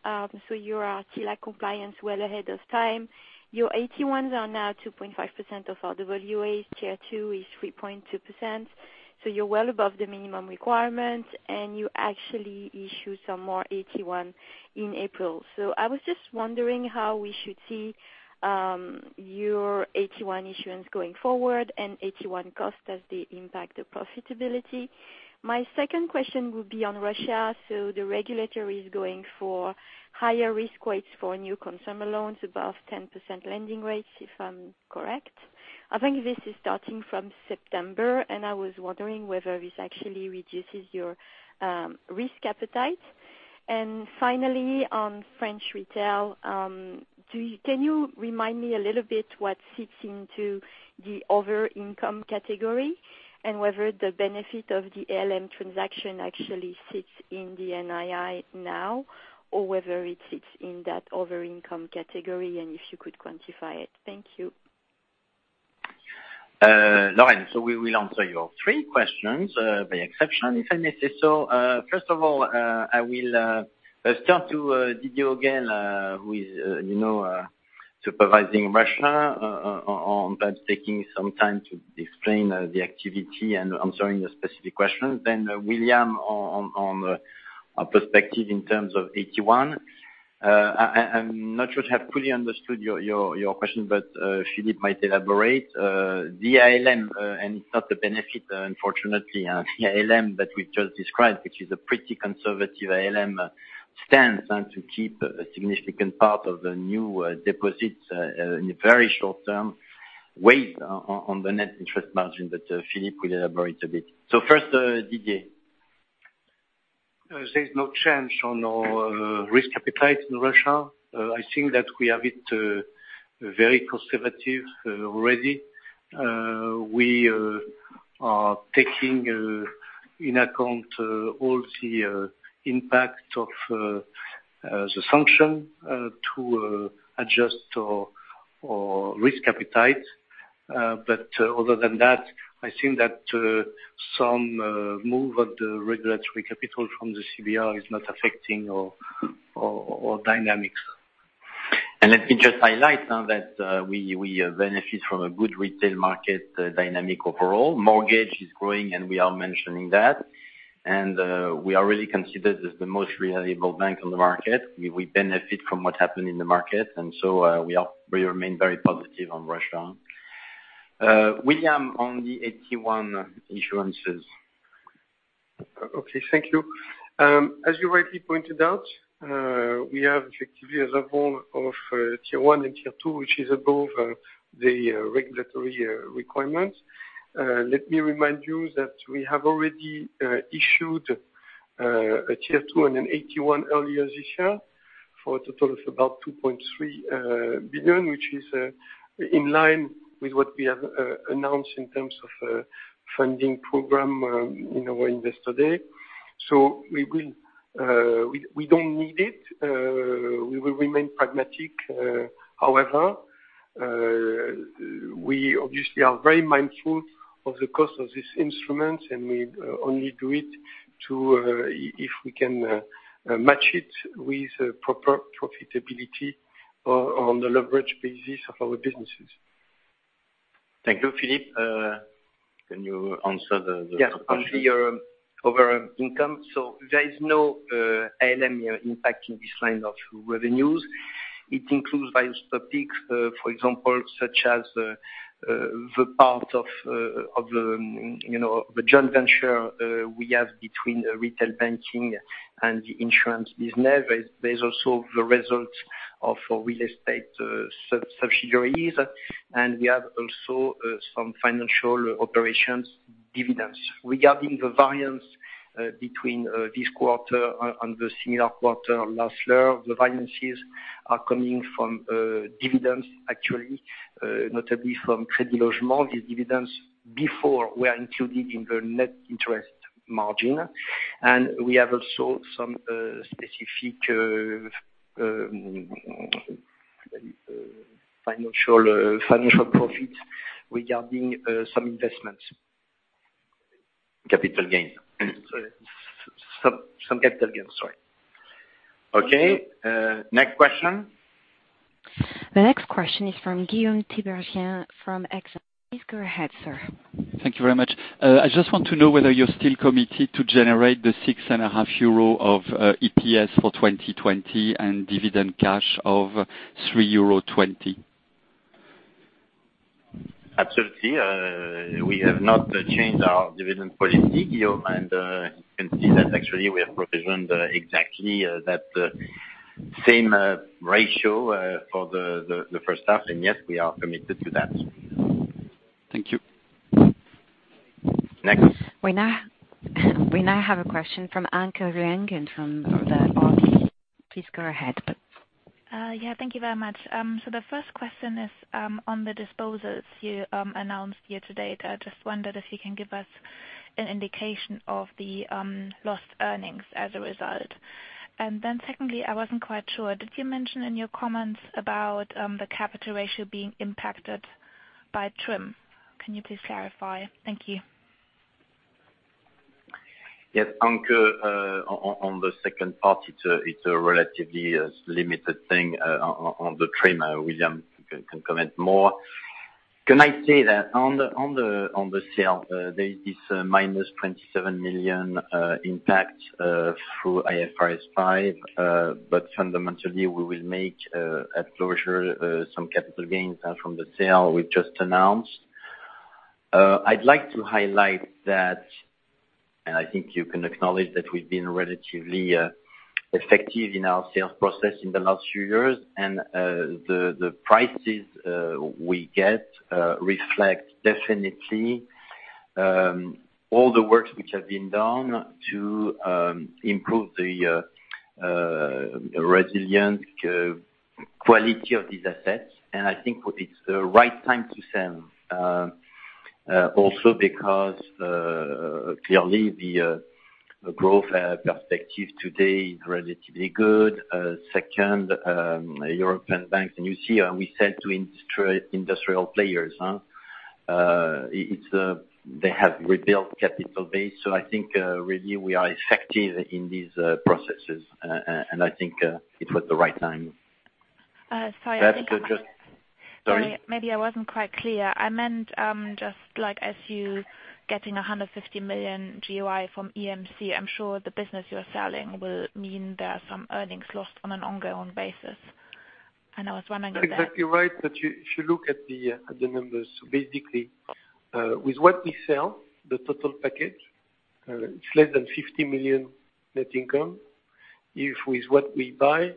You are still at compliance well ahead of time. Your AT1s are now 2.5% of RWA, Tier 2 is 3.2%, you're well above the minimum requirements, and you actually issue some more AT1 in April. I was just wondering how we should see your AT1 issuance going forward and AT1 cost as they impact the profitability. My second question would be on Russia. The regulator is going for higher risk weights for new consumer loans above 10% lending rates, if I'm correct. I think this is starting from September, and I was wondering whether this actually reduces your risk appetite. Finally, on French retail, can you remind me a little bit what sits into the other income category? Whether the benefit of the ALM transaction actually sits in the NII now or whether it sits in that other income category, and if you could quantify it. Thank you. Lorraine. We will answer your three questions, by exception, if I may say so. First of all, I will turn to Didier again, who is supervising Russia, on perhaps taking some time to explain the activity and answering the specific questions. William on perspective in terms of AT1. I'm not sure to have fully understood your question, but Philippe might elaborate. The ALM, and it's not a benefit, unfortunately, the ALM that we've just described, which is a pretty conservative ALM stance and to keep a significant part of the new deposits in a very short-term way on the net interest margin, but Philippe will elaborate a bit. First, Didier. There's no change on our risk appetite in Russia. I think that we have it very conservative already. We are taking into account all the impact of the sanction to adjust our risk appetite. Other than that, I think that some move of the regulatory capital from the CBR is not affecting our dynamics. Let me just highlight now that we benefit from a good retail market dynamic overall. Mortgage is growing, We are mentioning that. We are really considered as the most reliable bank on the market. We remain very positive on Russia. William, on the AT1 insurances. Okay, thank you. As you rightly pointed out, we have effectively a level of Tier 1 and Tier 2, which is above the regulatory requirements. Let me remind you that we have already issued a Tier 2 and an AT1 earlier this year for a total of about 2.3 billion, which is in line with what we have announced in terms of funding program in our Investor Day. We don't need it. We will remain pragmatic. However, we obviously are very mindful of the cost of these instruments, and we only do it if we can match it with proper profitability on the leverage basis of our businesses. Thank you. Philippe, can you answer? Yes, on the other income. There is no ALM impacting this line of revenues. It includes various topics, for example, such as the part of the joint venture we have between retail banking and the insurance business. There is also the result of real estate subsidiaries, and we have also some financial operations dividends. Regarding the variance between this quarter and the similar quarter last year, the variances are coming from dividends, actually, notably from Crédit Logement. These dividends before were included in the net interest margin. We have also some specific financial profits regarding some investments. Capital gains. Sorry. Some capital gains, sorry. Okay. Next question. The next question is from Guillaume Tiberghien from Exane. Please go ahead, sir. Thank you very much. I just want to know whether you're still committed to generate the six and a half EUR of EPS for 2020 and dividend cash of 3.20 euro. Absolutely. We have not changed our dividend policy, Guillaume, and you can see that actually we have provisioned exactly that same ratio for the first half, and yes, we are committed to that. Thank you. Next. We now have a question from Anke Reingen from RBC. Please go ahead. Yeah. Thank you very much. The first question is on the disposals you announced here today. I just wondered if you can give us An indication of the lost earnings as a result. Secondly, I wasn't quite sure, did you mention in your comments about the capital ratio being impacted by TRIM? Can you please clarify? Thank you. Yes, Anke Reingen, on the second part, it's a relatively limited thing on the TRIM. William can comment more. Can I say that on the sale, there is a -27 million impact through IFRS 5, but fundamentally we will make, at closure, some capital gains from the sale we just announced. I'd like to highlight that, and I think you can acknowledge that we've been relatively effective in our sales process in the last few years, and the prices we get reflect definitely all the works which have been done to improve the resilient quality of these assets, and I think it's the right time to sell. Also because, clearly the growth perspective today is relatively good. Second, European banks, and you see we sell to industrial players. They have rebuilt capital base. I think really we are effective in these processes. I think it was the right time. Sorry. Sorry. Maybe I wasn't quite clear. I meant just like as you're getting 150 million GOI from EMC, I'm sure the business you're selling will mean there are some earnings lost on an ongoing basis. I was wondering there. Exactly right. If you look at the numbers, basically, with what we sell, the total package, it's less than 50 million net income. If with what we buy,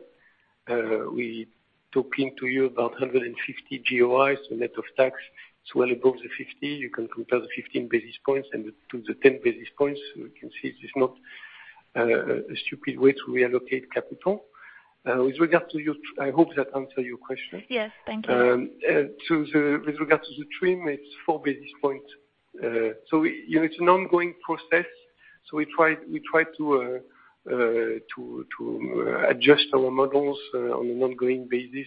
we're talking to you about 150 GOIs, so net of tax, it's well above 50. You can compare the 15 basis points to the 10 basis points. You can see it is not a stupid way to reallocate capital. I hope that answer your question. Yes. Thank you. With regards to the TRIM, it's four basis points. It's an ongoing process. We try to adjust our models on an ongoing basis,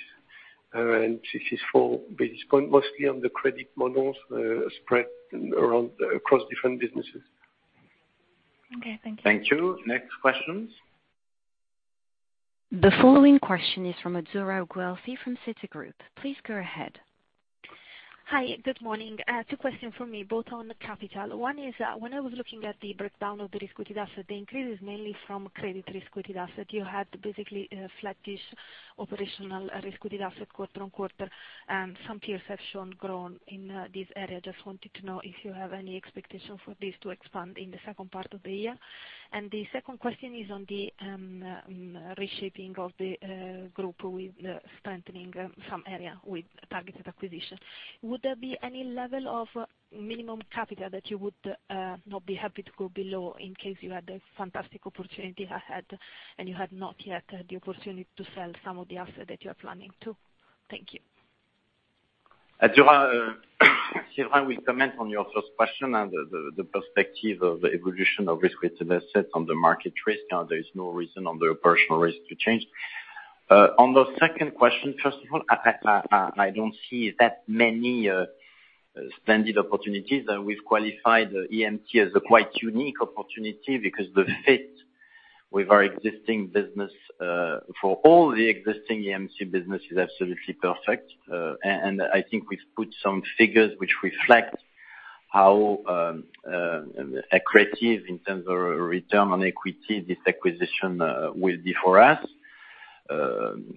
this is four basis point, mostly on the credit models spread across different businesses. Okay. Thank you. Thank you. Next questions. The following question is from Azzurra Guelfi from Citigroup. Please go ahead. Hi. Good morning. Two questions from me, both on capital. One is, when I was looking at the breakdown of the risk-weighted asset, the increase is mainly from credit risk-weighted asset. You had basically a flat-ish operational risk-weighted asset quarter-on-quarter, and some peers have shown growth in this area. Just wanted to know if you have any expectation for this to expand in the second part of the year. The second question is on the reshaping of the group with strengthening some area with targeted acquisition. Would there be any level of minimum capital that you would not be happy to go below in case you had a fantastic opportunity ahead and you had not yet had the opportunity to sell some of the assets that you're planning to? Thank you. Azzurra, Séverin will comment on your first question on the perspective of the evolution of risk-weighted assets on the market risk. Now, there is no reason on the operational risk to change. On the second question, first of all, I don't see that many splendid opportunities. We've qualified EMC as a quite unique opportunity because the fit with our existing business, for all the existing EMC business, is absolutely perfect. I think we've put some figures which reflect how accretive, in terms of return on equity, this acquisition will be for us.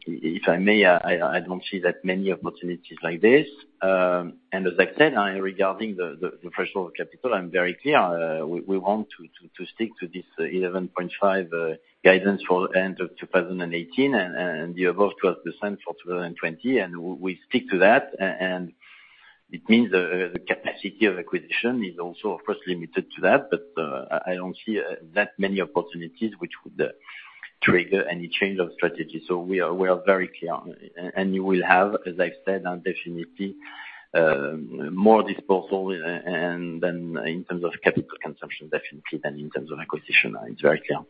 If I may, I don't see that many opportunities like this. As I said, regarding the threshold of capital, I'm very clear. We want to stick to this 11.5 guidance for end of 2018 and the above 12% for 2020. We stick to that. It means the capacity of acquisition is also, of course, limited to that, but I don't see that many opportunities which would trigger any change of strategy. We are very clear. You will have, as I've said, definitely more disposal in terms of capital consumption definitely than in terms of acquisition. It's very clear.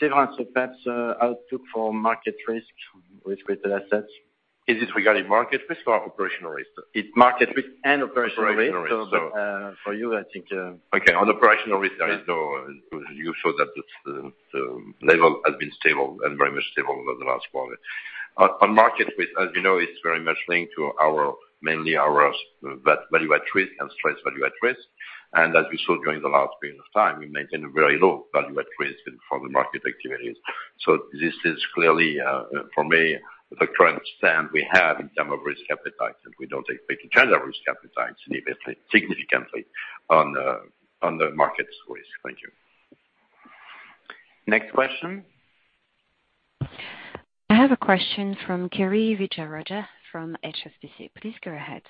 Séverin, perhaps outlook for market risk-weighted assets. Is this regarding market risk or operational risk? It's market risk and operational risk. Operational risk. For you, I think. Okay. On operational risk, you saw that the level has been stable, and very much stable over the last quarter. On market risk, as you know, it's very much linked to mainly our value at risk and stress value at risk. As you saw during the last period of time, we maintain a very low value at risk for the market activities. This is clearly, for me, the current stand we have in term of risk appetite, and we don't expect to change our risk appetite significantly on the market risk. Thank you. Next question. I have a question from Kiri Vijayarajah from HSBC. Please go ahead.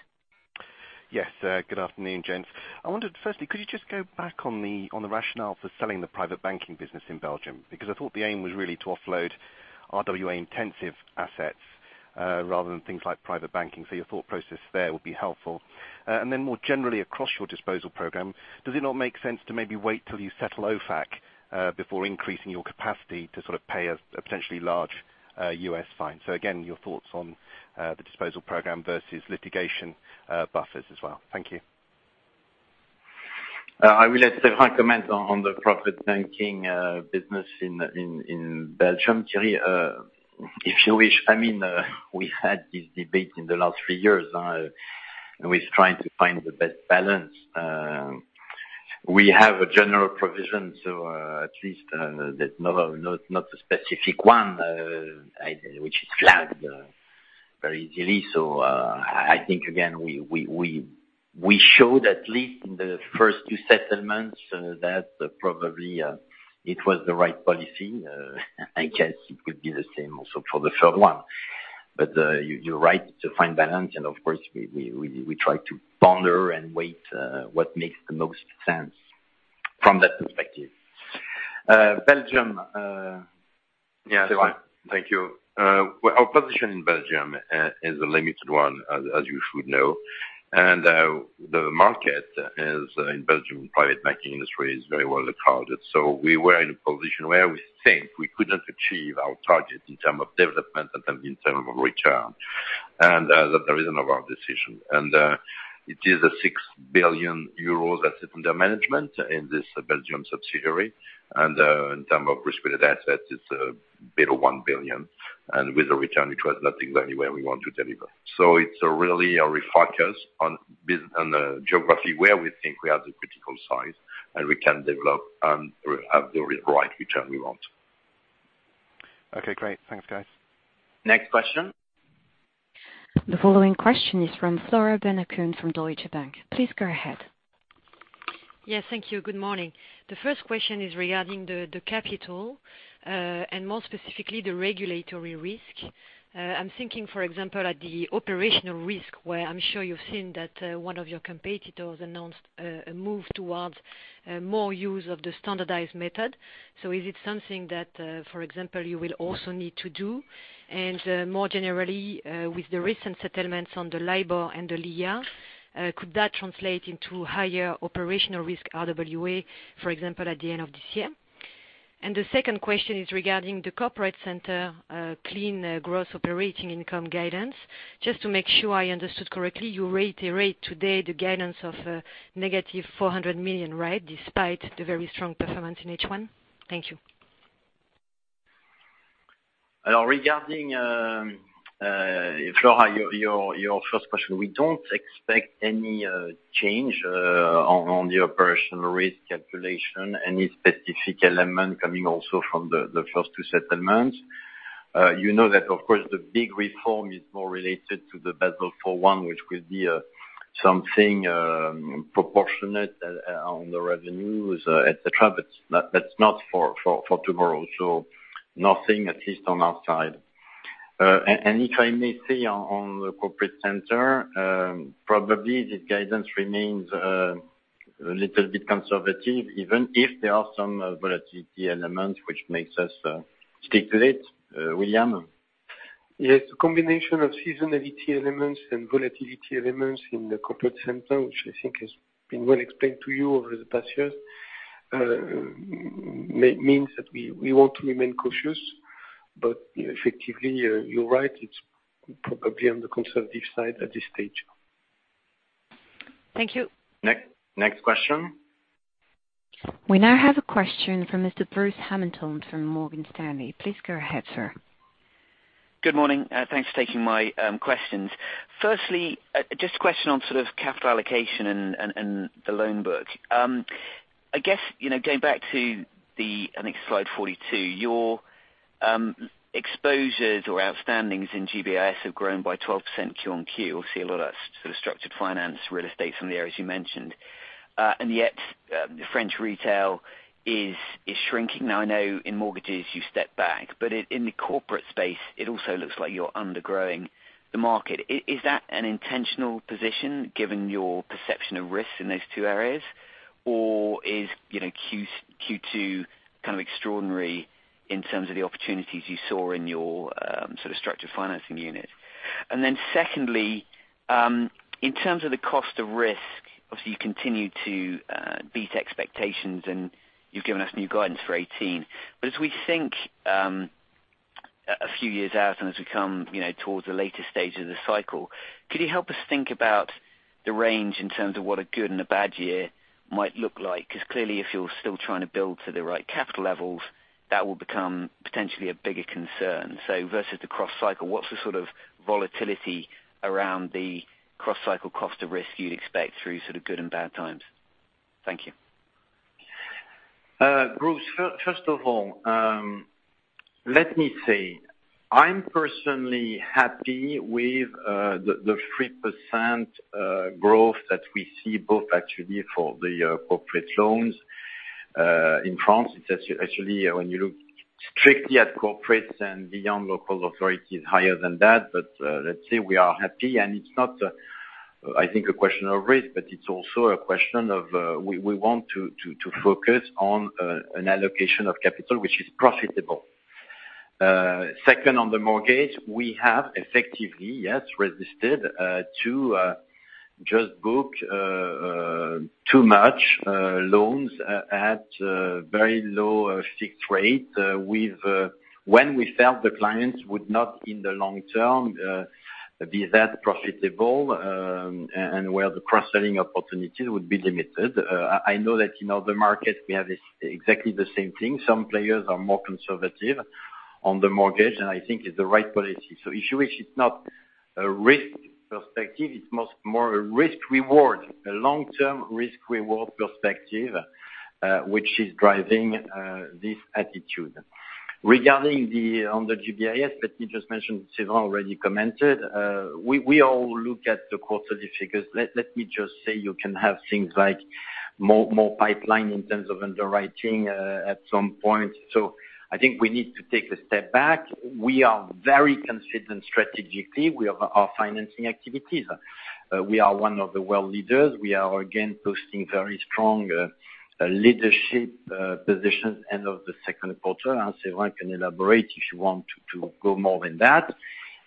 Yes. Good afternoon, gents. I wondered, firstly, could you just go back on the rationale for selling the private banking business in Belgium? I thought the aim was really to offload RWA-intensive assets. Rather than things like private banking. Your thought process there would be helpful. Then more generally across your disposal program, does it not make sense to maybe wait till you settle OFAC before increasing your capacity to pay a potentially large U.S. fine? Again, your thoughts on the disposal program versus litigation buffers as well. Thank you. I will let Séverin comment on the private banking business in Belgium, Thierry. If you wish, we had this debate in the last 3 years, we're trying to find the best balance. We have a general provision, at least that not a specific one which is flagged very easily. I think, again, we showed at least in the first 2 settlements that probably it was the right policy. I guess it could be the same also for the third one. You're right to find balance, and of course, we try to ponder and wait what makes the most sense from that perspective. Belgium. Yeah. Thank you. Our position in Belgium is a limited one, as you should know. The market in Belgium, private banking industry is very well-established. We were in a position where we think we couldn't achieve our target in term of development and in term of return, that the reason of our decision. It is a 6 billion euros assets under management in this Belgium subsidiary, and in term of risk-weighted assets, it's a bit of 1 billion, and with a return which was nothing the way we want to deliver. It's really a refocus on the geography where we think we have the critical size, and we can develop and have the right return we want. Okay, great. Thanks, guys. Next question. The following question is from Flora Bocahut from Deutsche Bank. Please go ahead. Yes, thank you. Good morning. The first question is regarding the capital, more specifically, the regulatory risk. I'm thinking, for example, at the operational risk, where I'm sure you've seen that one of your competitors announced a move towards more use of the standardized method. Is it something that, for example, you will also need to do? More generally, with the recent settlements on the LIBOR and the LIA, could that translate into higher operational risk RWA, for example, at the end of this year? The second question is regarding the corporate center clean gross operating income guidance. Just to make sure I understood correctly, you reiterate today the guidance of negative 400 million, right, despite the very strong performance in H1? Thank you. Regarding, Flora, your first question, we don't expect any change on the operational risk calculation, any specific element coming also from the first two settlements. You know that, of course, the big reform is more related to the Basel IV-1, which will be something proportionate on the revenues, et cetera. That's not for tomorrow, nothing at least on our side. If I may say on the corporate center, probably the guidance remains a little bit conservative, even if there are some volatility elements which makes us speculate. William? Yes. A combination of seasonality elements and volatility elements in the corporate center, which I think has been well explained to you over the past years, means that we want to remain cautious. Effectively, you're right, it's probably on the conservative side at this stage. Thank you. Next question. We now have a question from Mr. Bruce Hamilton from Morgan Stanley. Please go ahead, sir. Good morning. Thanks for taking my questions. Firstly, just a question on sort of capital allocation and the loan book. I guess, going back to the, I think, slide 42, your exposures or outstandings in GBIS have grown by 12% Q-on-Q. Yet French retail is shrinking. I know in mortgages you've stepped back, but in the corporate space, it also looks like you're undergrowing the market. Is that an intentional position given your perception of risk in those two areas? Is Q2 kind of extraordinary in terms of the opportunities you saw in your sort of structured financing unit? Secondly, in terms of the cost of risk, obviously you continue to beat expectations, and you've given us new guidance for 2018. As we think a few years out and as we come towards the later stage of the cycle, could you help us think about the range in terms of what a good and a bad year might look like? Because clearly, if you are still trying to build to the right capital levels, that will become potentially a bigger concern. So versus the cross-cycle, what is the sort of volatility around the cross-cycle cost of risk you would expect through sort of good and bad times? Thank you. Bruce, first of all, let me say, I am personally happy with the 3% growth that we see both actually for the corporate loans in France. Actually, when you look strictly at corporates and beyond local authorities, higher than that. Let us say we are happy, and it is not a I think a question of risk, but it is also a question of we want to focus on an allocation of capital which is profitable. Second, on the mortgage, we have effectively, yes, resisted to just book too much loans at very low fixed-rate when we felt the clients would not, in the long term, be that profitable, and where the cross-selling opportunities would be limited. I know that in other markets we have exactly the same thing. Some players are more conservative on the mortgage, and I think it is the right policy. If you wish, it is not a risk perspective, it is more a risk-reward, a long-term risk-reward perspective, which is driving this attitude. Regarding on the GBIS that you just mentioned, Séverin already commented, we all look at the quarterly figures. Let me just say you can have things like more pipeline in terms of underwriting at some point. I think we need to take a step back. We are very confident strategically with our financing activities. We are one of the world leaders. We are again posting very strong leadership positions end of the second quarter, and Séverin can elaborate if you want to go more than that.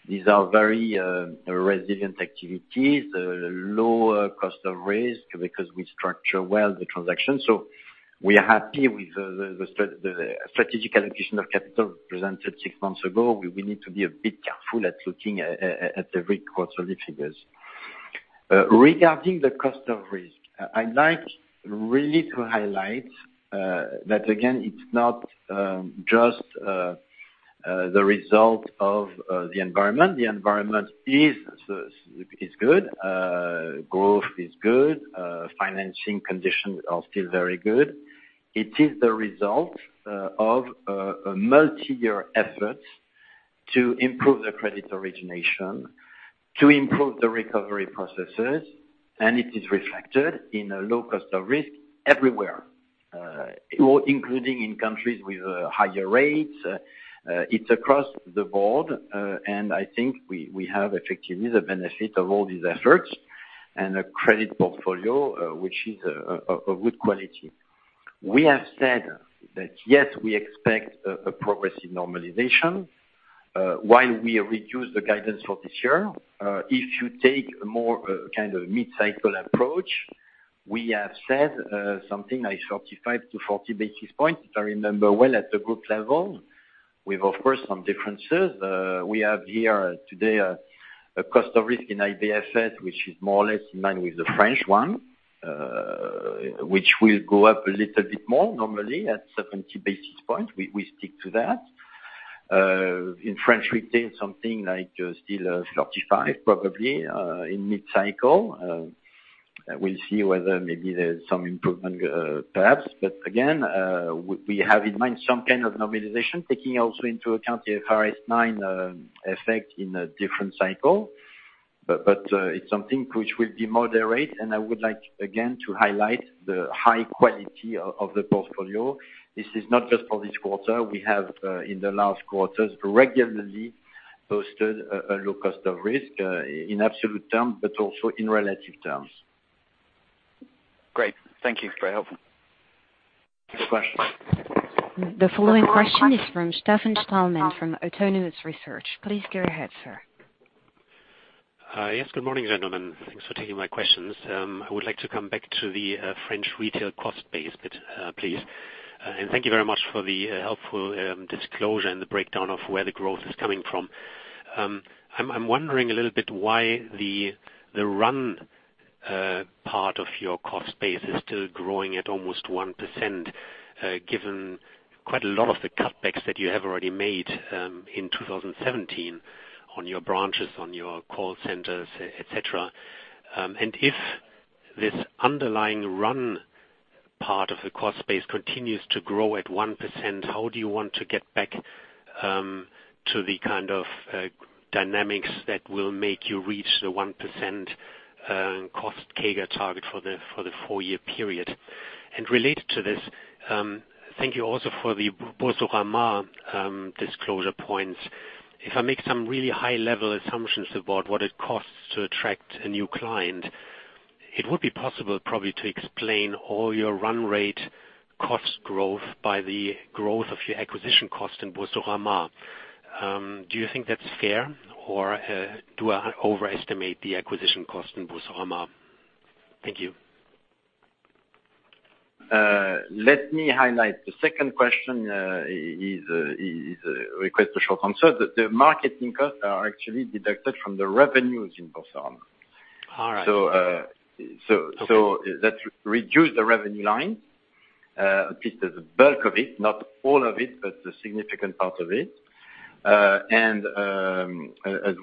These are very resilient activities, lower cost of risk because we structure well the transaction. We are happy with the strategic allocation of capital presented six months ago. We need to be a bit careful at looking at every quarterly figures. Regarding the cost of risk, I would like really to highlight that, again, it is not just the result of the environment. The environment is good. Growth is good. Financing conditions are still very good. It is the result of a multi-year effort to improve the credit origination, to improve the recovery processes, and it is reflected in a low cost of risk everywhere, including in countries with higher rates. It is across the board, and I think we have effectively the benefit of all these efforts and a credit portfolio which is of good quality. We have said that, yes, we expect a progressive normalization while we reduce the guidance for this year. If you take a more mid-cycle approach, we have said something like 35-40 basis points, if I remember well, at the group level, with, of course, some differences. We have here today a cost of risk in IBFS, which is more or less in line with the French one, which will go up a little bit more normally at 70 basis points. We stick to that. In French retail, something like still 35, probably, in mid-cycle. We'll see whether maybe there's some improvement, perhaps. Again, we have in mind some kind of normalization, taking also into account the IFRS 9 effect in a different cycle. It's something which will be moderate, and I would like, again, to highlight the high quality of the portfolio. This is not just for this quarter. We have, in the last quarters, regularly posted a low cost of risk in absolute terms, but also in relative terms. Great. Thank you. Very helpful. Next question. The following question is from Stefan Stalmann from Autonomous Research. Please go ahead, sir. Yes, good morning, gentlemen. Thanks for taking my questions. I would like to come back to the French retail cost base bit, please. Thank you very much for the helpful disclosure and the breakdown of where the growth is coming from. I'm wondering a little bit why the run part of your cost base is still growing at almost 1%, given quite a lot of the cutbacks that you have already made in 2017 on your branches, on your call centers, et cetera. If this underlying run part of the cost base continues to grow at 1%, how do you want to get back to the kind of dynamics that will make you reach the 1% cost CAGR target for the four-year period? Related to this, thank you also for the Boursorama disclosure points. If I make some really high-level assumptions about what it costs to attract a new client, it would be possible probably to explain all your run rate cost growth by the growth of your acquisition cost in Boursorama. Do you think that's fair, or do I overestimate the acquisition cost in Boursorama? Thank you. Let me highlight the second question is a request for short answer. The marketing costs are actually deducted from the revenues in Boursorama. All right. That reduce the revenue line, at least the bulk of it, not all of it, but the significant part of it. As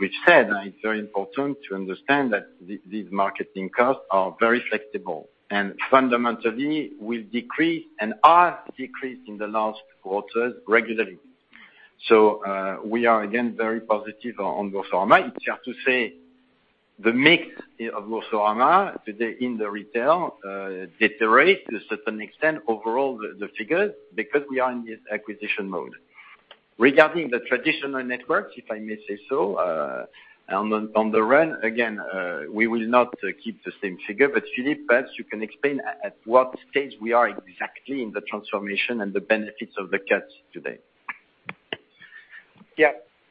we've said, it's very important to understand that these marketing costs are very flexible, and fundamentally will decrease and are decreasing the last quarters regularly. We are again very positive on Boursorama. It's just to say the mix of Boursorama today in the retail deteriorate to a certain extent overall the figures because we are in this acquisition mode. Regarding the traditional networks, if I may say so, on the run, again, we will not keep the same figure, but Philippe, perhaps you can explain at what stage we are exactly in the transformation and the benefits of the cuts today.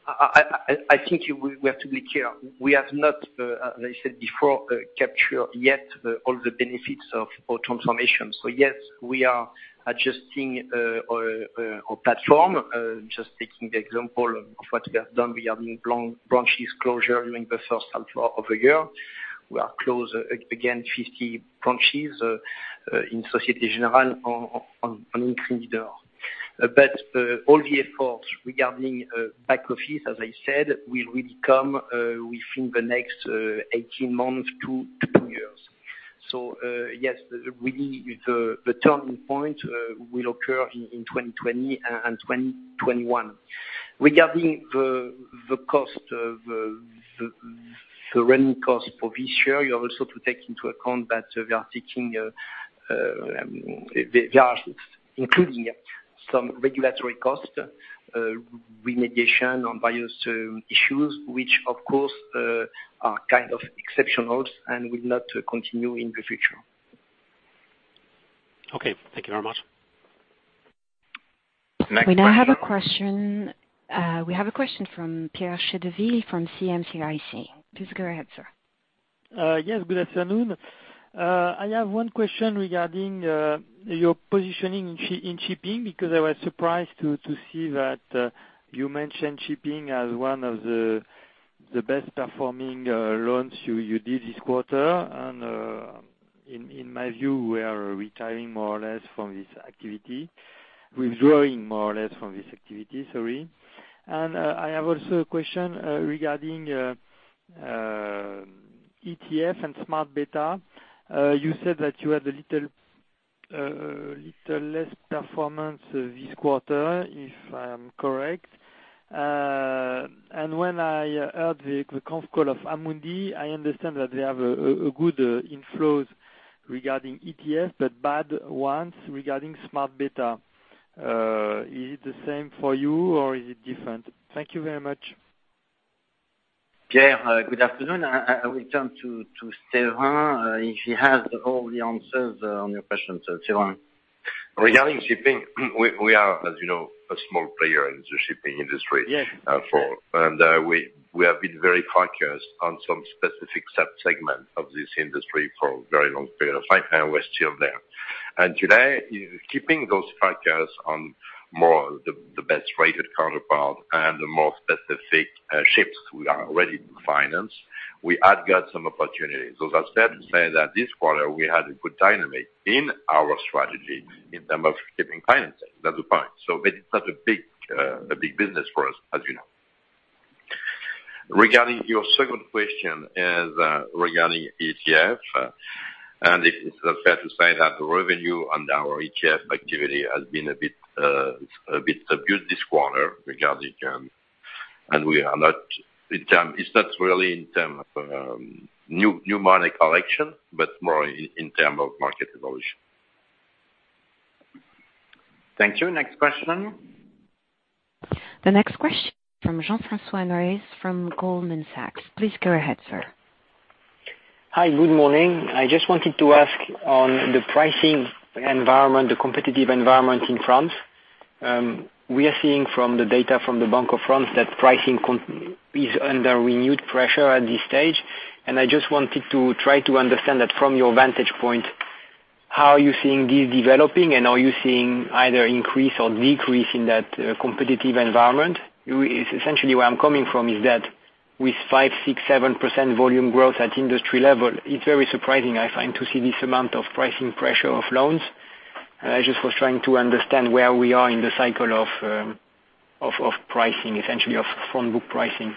I think we have to be clear. We have not, as I said before, captured yet all the benefits of our transformation. Yes, we are adjusting our platform. Just taking the example of what we have done regarding branches closure during the first half of the year. We have closed again, 50 branches in Société Générale and in Crédit du Nord. But all the efforts regarding back office, as I said, will really come within the next 18 months to two years. Yes, really, the turning point will occur in 2020 and 2021. Regarding the running cost for this year, you have also to take into account that we are including some regulatory cost, remediation on Basel issues, which of course are kind of exceptional and will not continue in the future. Okay. Thank you very much. Next question. We have a question from Pierre Chedeville from CM-CIC. Please go ahead, sir. Yes, good afternoon. I have one question regarding your positioning in shipping, because I was surprised to see that you mentioned shipping as one of the best performing loans you did this quarter. In my view, we are withdrawing more or less from this activity, sorry. I have also a question regarding ETF and smart beta. You said that you had a little less performance this quarter, if I'm correct. When I heard the conf call of Amundi, I understand that they have a good inflows regarding ETF, but bad ones regarding smart beta. Is it the same for you, or is it different? Thank you very much. Pierre, good afternoon. I will turn to Séverin. He has all the answers on your question. Séverin. Regarding shipping, we are, as you know, a small player in the shipping industry. Yes. We have been very focused on some specific sub-segment of this industry for a very long period of time. We're still there. Today, keeping those focus on more the best-rated counterpart and the more specific ships we are ready to finance, we had got some opportunities. It's fair to say that this quarter, we had a good dynamic in term of shipping financing. That's the point. It's not a big business for us, as you know. Regarding your second question is regarding ETF, and it's fair to say that the revenue on our ETF activity has been a bit [amuzed] this quarter. It's not really in term of new money collection, but more in term of market evolution. Thank you. Next question. The next question from Jean-Francois Neuez from Goldman Sachs. Please go ahead, sir. Hi, good morning. I just wanted to ask on the pricing environment, the competitive environment in France. We are seeing from the data from the Banque de France, that pricing is under renewed pressure at this stage. I just wanted to try to understand that from your vantage point, how are you seeing this developing, and are you seeing either increase or decrease in that competitive environment? Essentially, where I'm coming from is that with 5%, 6%, 7% volume growth at industry level, it's very surprising, I find, to see this amount of pricing pressure of loans. I just was trying to understand where we are in the cycle of pricing, essentially of front book pricing.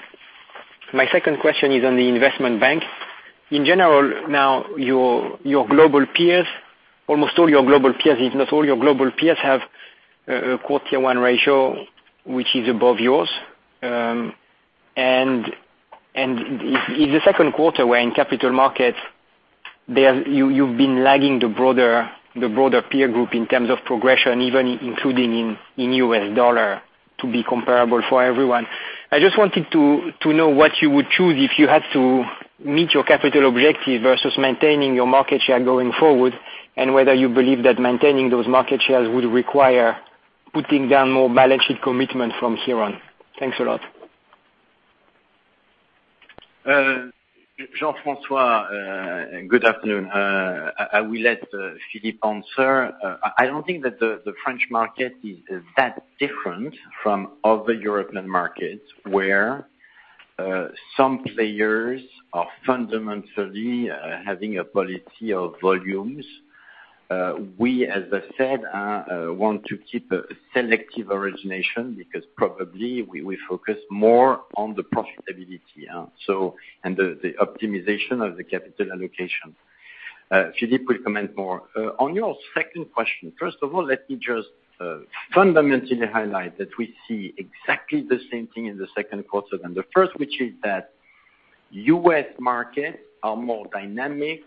My second question is on the investment bank. In general now, your global peers, almost all your global peers, if not all your global peers, have a quarter one ratio which is above yours. It's the second quarter where in capital markets, you've been lagging the broader peer group in terms of progression, even including in US dollar to be comparable for everyone. I just wanted to know what you would choose if you had to meet your capital objective versus maintaining your market share going forward, whether you believe that maintaining those market shares would require putting down more balance sheet commitment from here on. Thanks a lot. Jean-Francois, good afternoon. I will let Philippe answer. I don't think that the French market is that different from other European markets, where some players are fundamentally having a policy of volumes. We, as I said, want to keep a selective origination, because probably we focus more on the profitability, yeah, and the optimization of the capital allocation. Philippe will comment more. On your second question, first of all, let me just fundamentally highlight that we see exactly the same thing in the second quarter than the first, which is that U.S. markets are more dynamic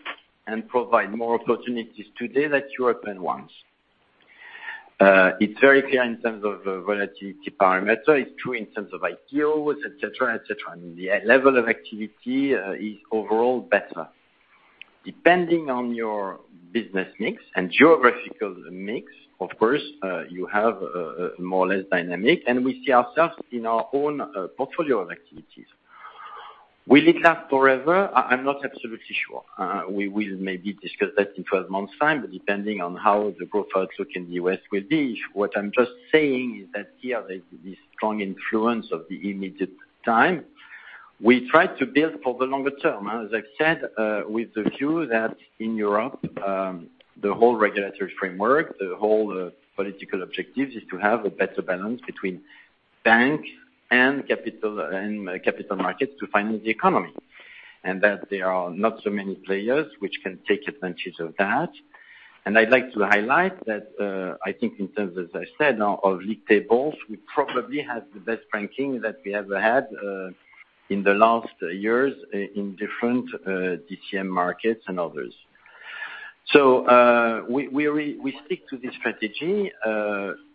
and provide more opportunities today than European ones. It's very clear in terms of the volatility parameter, it's true in terms of IPOs, et cetera. The level of activity is overall better. Depending on your business mix and geographical mix, of course, you have more or less dynamic, and we see ourselves in our own portfolio of activities. Will it last forever? I'm not absolutely sure. We will maybe discuss that in 12 months time, but depending on how the growth outlook in the U.S. will be, what I'm just saying is that here there's this strong influence of the immediate time. We try to build for the longer term, as I've said, with the view that in Europe, the whole regulatory framework, the whole political objective is to have a better balance between bank and capital markets to finance the economy. That there are not so many players which can take advantage of that. I'd like to highlight that, I think in terms, as I said now, of league tables, we probably have the best ranking that we ever had in the last years in different DCM markets and others. We stick to this strategy,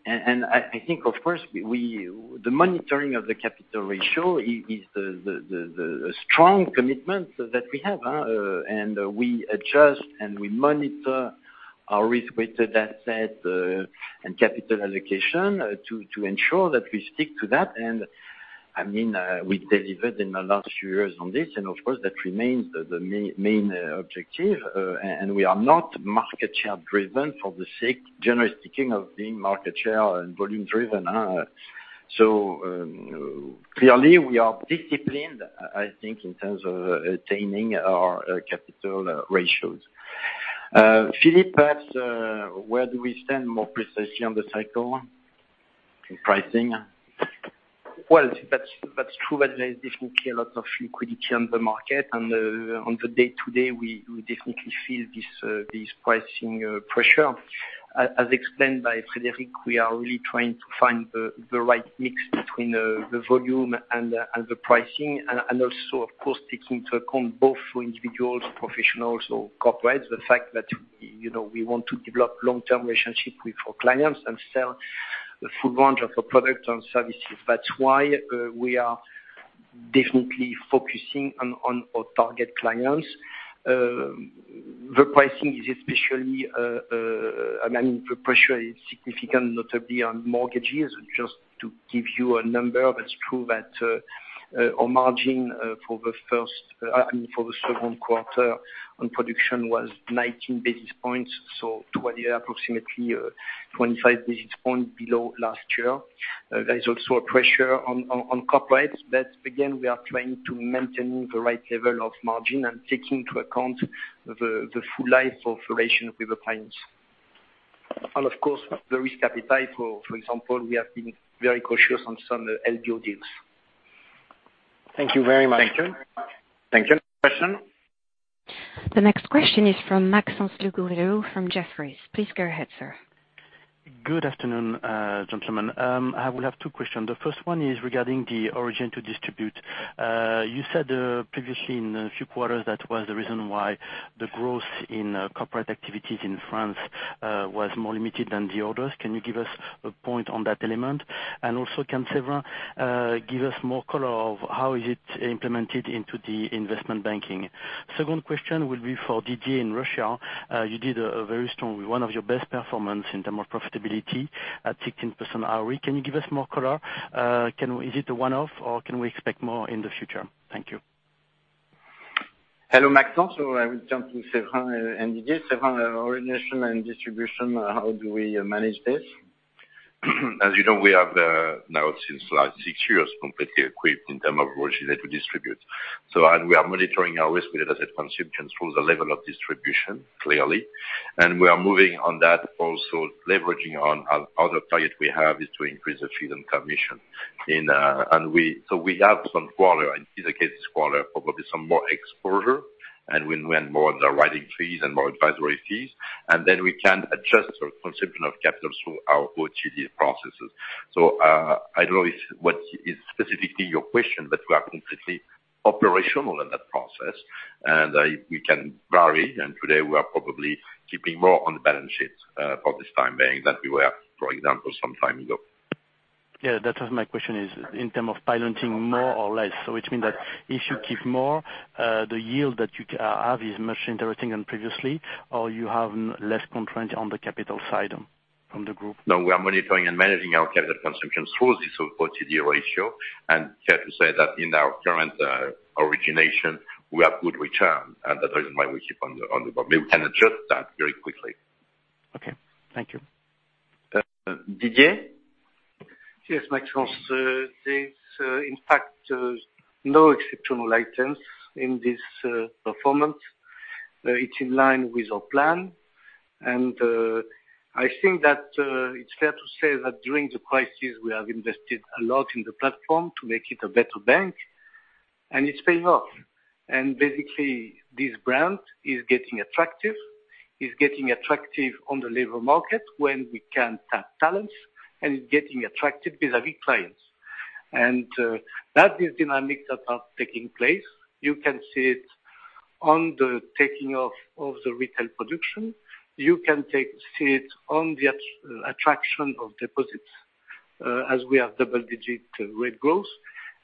and I think, of course, the monitoring of the capital ratio is the strong commitment that we have. We adjust and we monitor our risk-weighted asset, and capital allocation to ensure that we stick to that. We delivered in the last few years on this, and of course that remains the main objective, and we are not market share driven for the sake, generally speaking, of being market share and volume driven. Clearly we are disciplined, I think, in terms of attaining our capital ratios. Philippe, perhaps where do we stand more precisely on the cycle in pricing? Well, that's true that there is definitely a lot of liquidity on the market. On the day-to-day, we definitely feel this pricing pressure. As explained by Frédéric, we are really trying to find the right mix between the volume and the pricing and also, of course, taking into account both for individuals, professionals, or corporates, the fact that we want to develop long-term relationship with our clients and sell the full range of our products and services. That's why we are definitely focusing on our target clients. The pricing is especially the pressure is significant, notably on mortgages. Just to give you a number, that's true that our margin, for the second quarter on production was 19 basis points, so 20, approximately 25 basis points below last year. There is also a pressure on corporates, but again, we are trying to maintain the right level of margin and taking into account the full life of relation with the clients. Of course, the risk appetite for example, we have been very cautious on some LBO deals. Thank you very much. Thank you. Next question. The next question is from Maxence Le Gouvello du Timat from Jefferies. Please go ahead, sir. Good afternoon, gentlemen. I will have two questions. The first one is regarding the Originate-to-Distribute. You said, previously in a few quarters, that was the reason why the growth in corporate activities in France was more limited than the others. Can you give us a point on that element? Can Séverin give us more color of how is it implemented into the investment banking? Second question will be for Didier in Russia. You did a very strong, one of your best performance in terms of profitability at 16% ROE. Can you give us more color? Is it a one-off or can we expect more in the future? Thank you. Hello, Maxence. I will turn to Séverin and Didier. Séverin, origination and distribution, how do we manage this? As you know, we have, now since last 6 years, completely equipped in terms of Originate-to-Distribute. We are monitoring our risk-weighted asset consumption through the level of distribution, clearly. We are moving on that also leveraging on our other target we have is to increase the fees and commission. We have some quarter, and in the case this quarter, probably some more exposure, and we earn more on the writing fees and more advisory fees, and then we can adjust our consumption of capital through our OTD processes. I don't know what is specifically your question, but we are completely operational in that process, and we can vary, and today we are probably keeping more on the balance sheet, for this time being than we were, for example, some time ago. That was my question is, in terms of piloting more or less. Which means that if you keep more, the yield that you have is much interesting than previously, or you have less constraint on the capital side from the group? No, we are monitoring and managing our capital consumption through this OTD ratio. Fair to say that in our current origination, we have good return, and that is why we keep [on the button]. We can adjust that very quickly. Okay. Thank you. Didier? Yes, Maxence, there is in fact no exceptional items in this performance. It's in line with our plan, and I think that it's fair to say that during the crisis we have invested a lot in the platform to make it a better bank, and it's paying off. Basically this brand is getting attractive on the labor market when we can tap talents, and it's getting attractive vis-a-vis clients. That is dynamics that are taking place. You can see it on the taking off of the retail production. You can see it on the attraction of deposits, as we have double-digit rate growth.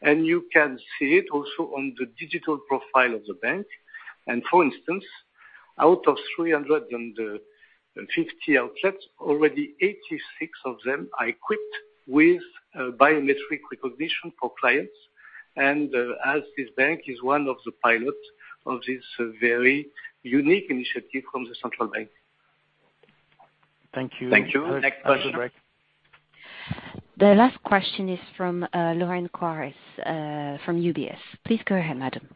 You can see it also on the digital profile of the bank. For instance, out of 350 outlets, already 86 of them are equipped with biometric recognition for clients. As this bank is one of the pilots of this very unique initiative from the central bank. Thank you. Thank you. Next question. The last question is from Lorraine Quoirez, from UBS. Please go ahead, madam.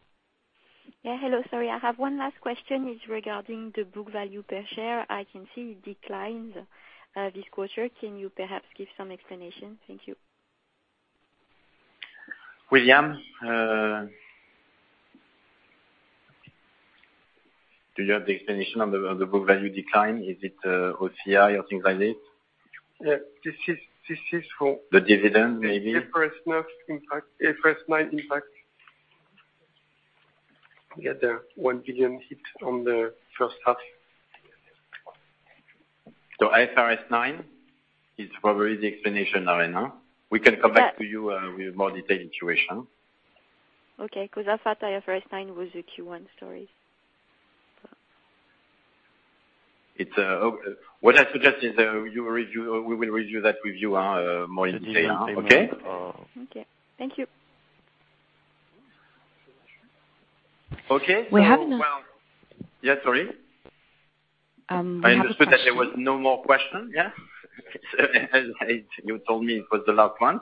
Yeah. Hello, sorry. I have one last question, it is regarding the book value per share. I can see it declined this quarter. Can you perhaps give some explanation? Thank you. William, do you have the explanation on the book value decline? Is it OCI or things like it? Yeah. The dividend, maybe. IFRS 9 impact. We get the 1 billion hit from the first half. IFRS 9 is probably the explanation right now. We can come back to you with a more detailed situation. Okay, because I thought IFRS 9 was the Q1 story. What I suggest is we will review that with you more in detail, okay? Okay. Thank you. Okay. We have. Yeah, sorry. We have a question. I understood that there was no more question, yeah? You told me it was the last one.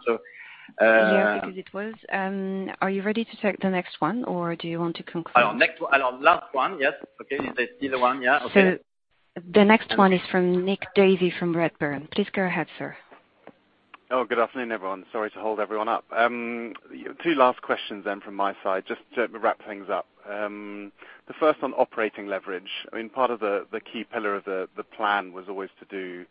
Yeah, because it was. Are you ready to take the next one, or do you want to conclude? Last one. Yes. Okay. Is there still a one? Yeah, okay. The next one is from Nicholas Davey from Redburn. Please go ahead, sir. Good afternoon, everyone. Sorry to hold everyone up. 2 last questions from my side, just to wrap things up. The first on operating leverage. Part of the key pillar of the plan was always to do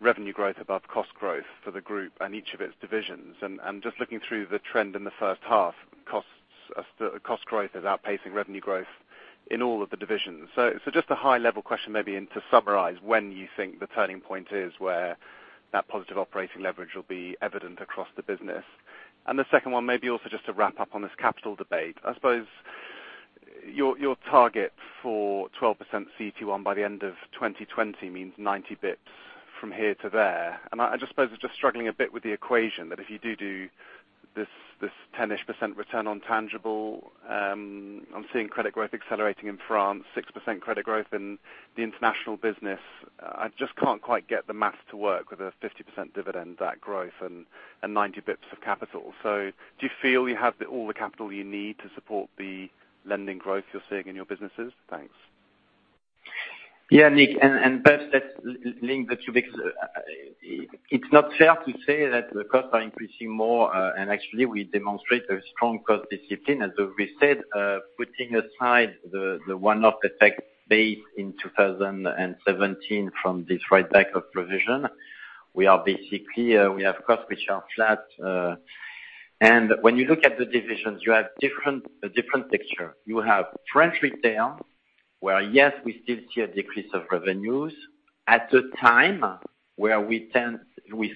revenue growth above cost growth for the group and each of its divisions. Just looking through the trend in the first half, cost growth is outpacing revenue growth in all of the divisions. Just a high level question maybe, and to summarize, when you think the turning point is where that positive operating leverage will be evident across the business? The second one, maybe also just to wrap up on this capital debate. I suppose your target for 12% CET1 by the end of 2020 means 90 basis points from here to there. I just suppose was just struggling a bit with the equation, that if you do this 10%-ish return on tangible, I'm seeing credit growth accelerating in France, 6% credit growth in the international business. I just can't quite get the math to work with a 50% dividend, that growth, and 90 basis points of capital. Do you feel you have all the capital you need to support the lending growth you're seeing in your businesses? Thanks. Yeah, Nick, perhaps let's link the two, because it's not fair to say that the costs are increasing more, and actually we demonstrate a strong cost discipline. As we said, putting aside the one-off effect based in 2017 from this write-back of provision, we are basically, we have costs which are flat. When you look at the divisions, you have a different picture. You have French retail, where, yes, we still see a decrease of revenues at a time where we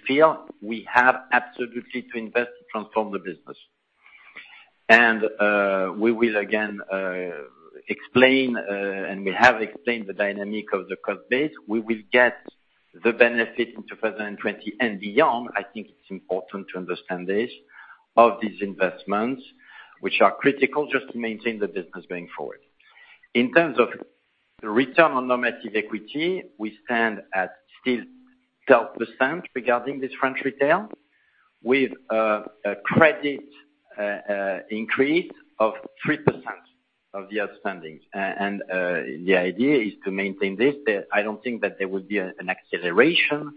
feel we have absolutely to invest to transform the business. We will again explain, and we have explained the dynamic of the cost base. We will get the benefit in 2020 and beyond. I think it's important to understand this, of these investments, which are critical just to maintain the business going forward. In terms of return on normative equity, we stand at still 12% regarding this French retail, with a credit increase of 3% of the outstandings. The idea is to maintain this. I don't think that there will be an acceleration.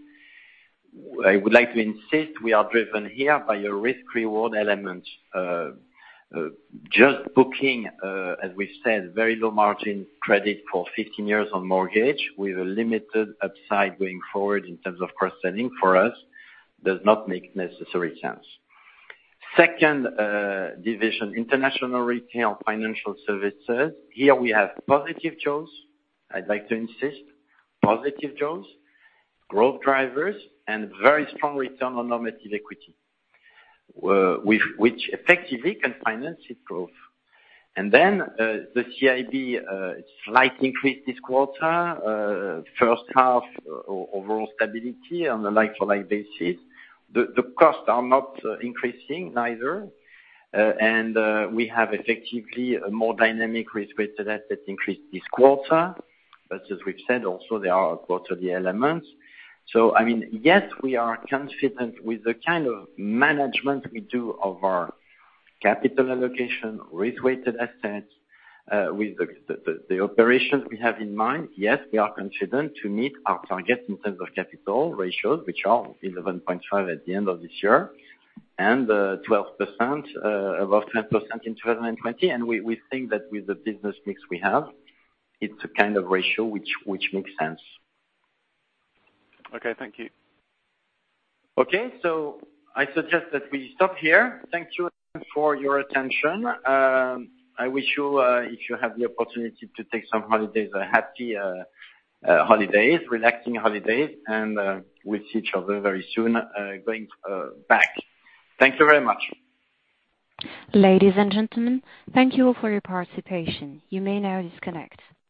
I would like to insist, we are driven here by a risk-reward element. Just booking, as we've said, very low margin credit for 15 years on mortgage with a limited upside going forward in terms of cost-saving for us does not make necessary sense. Second division, international retail financial services. Here we have positive jaws. I'd like to insist, positive jaws, growth drivers, and very strong return on normative equity, which effectively can finance its growth. The CIB, slight increase this quarter. First half, overall stability on a like-to-like basis. The costs are not increasing, neither. We have effectively a more dynamic risk-weighted asset increase this quarter. As we've said, also, there are quarterly elements. Yes, we are confident with the kind of management we do of our capital allocation, risk-weighted assets. With the operations we have in mind, yes, we are confident to meet our targets in terms of capital ratios, which are 11.5 at the end of this year, and 12% above 10% in 2020. We think that with the business mix we have, it's a kind of ratio which makes sense. Okay, thank you. Okay, I suggest that we stop here. Thank you for your attention. I wish you, if you have the opportunity to take some holidays, a happy holidays, relaxing holidays, and we'll see each other very soon going back. Thank you very much. Ladies and gentlemen, thank you all for your participation. You may now disconnect.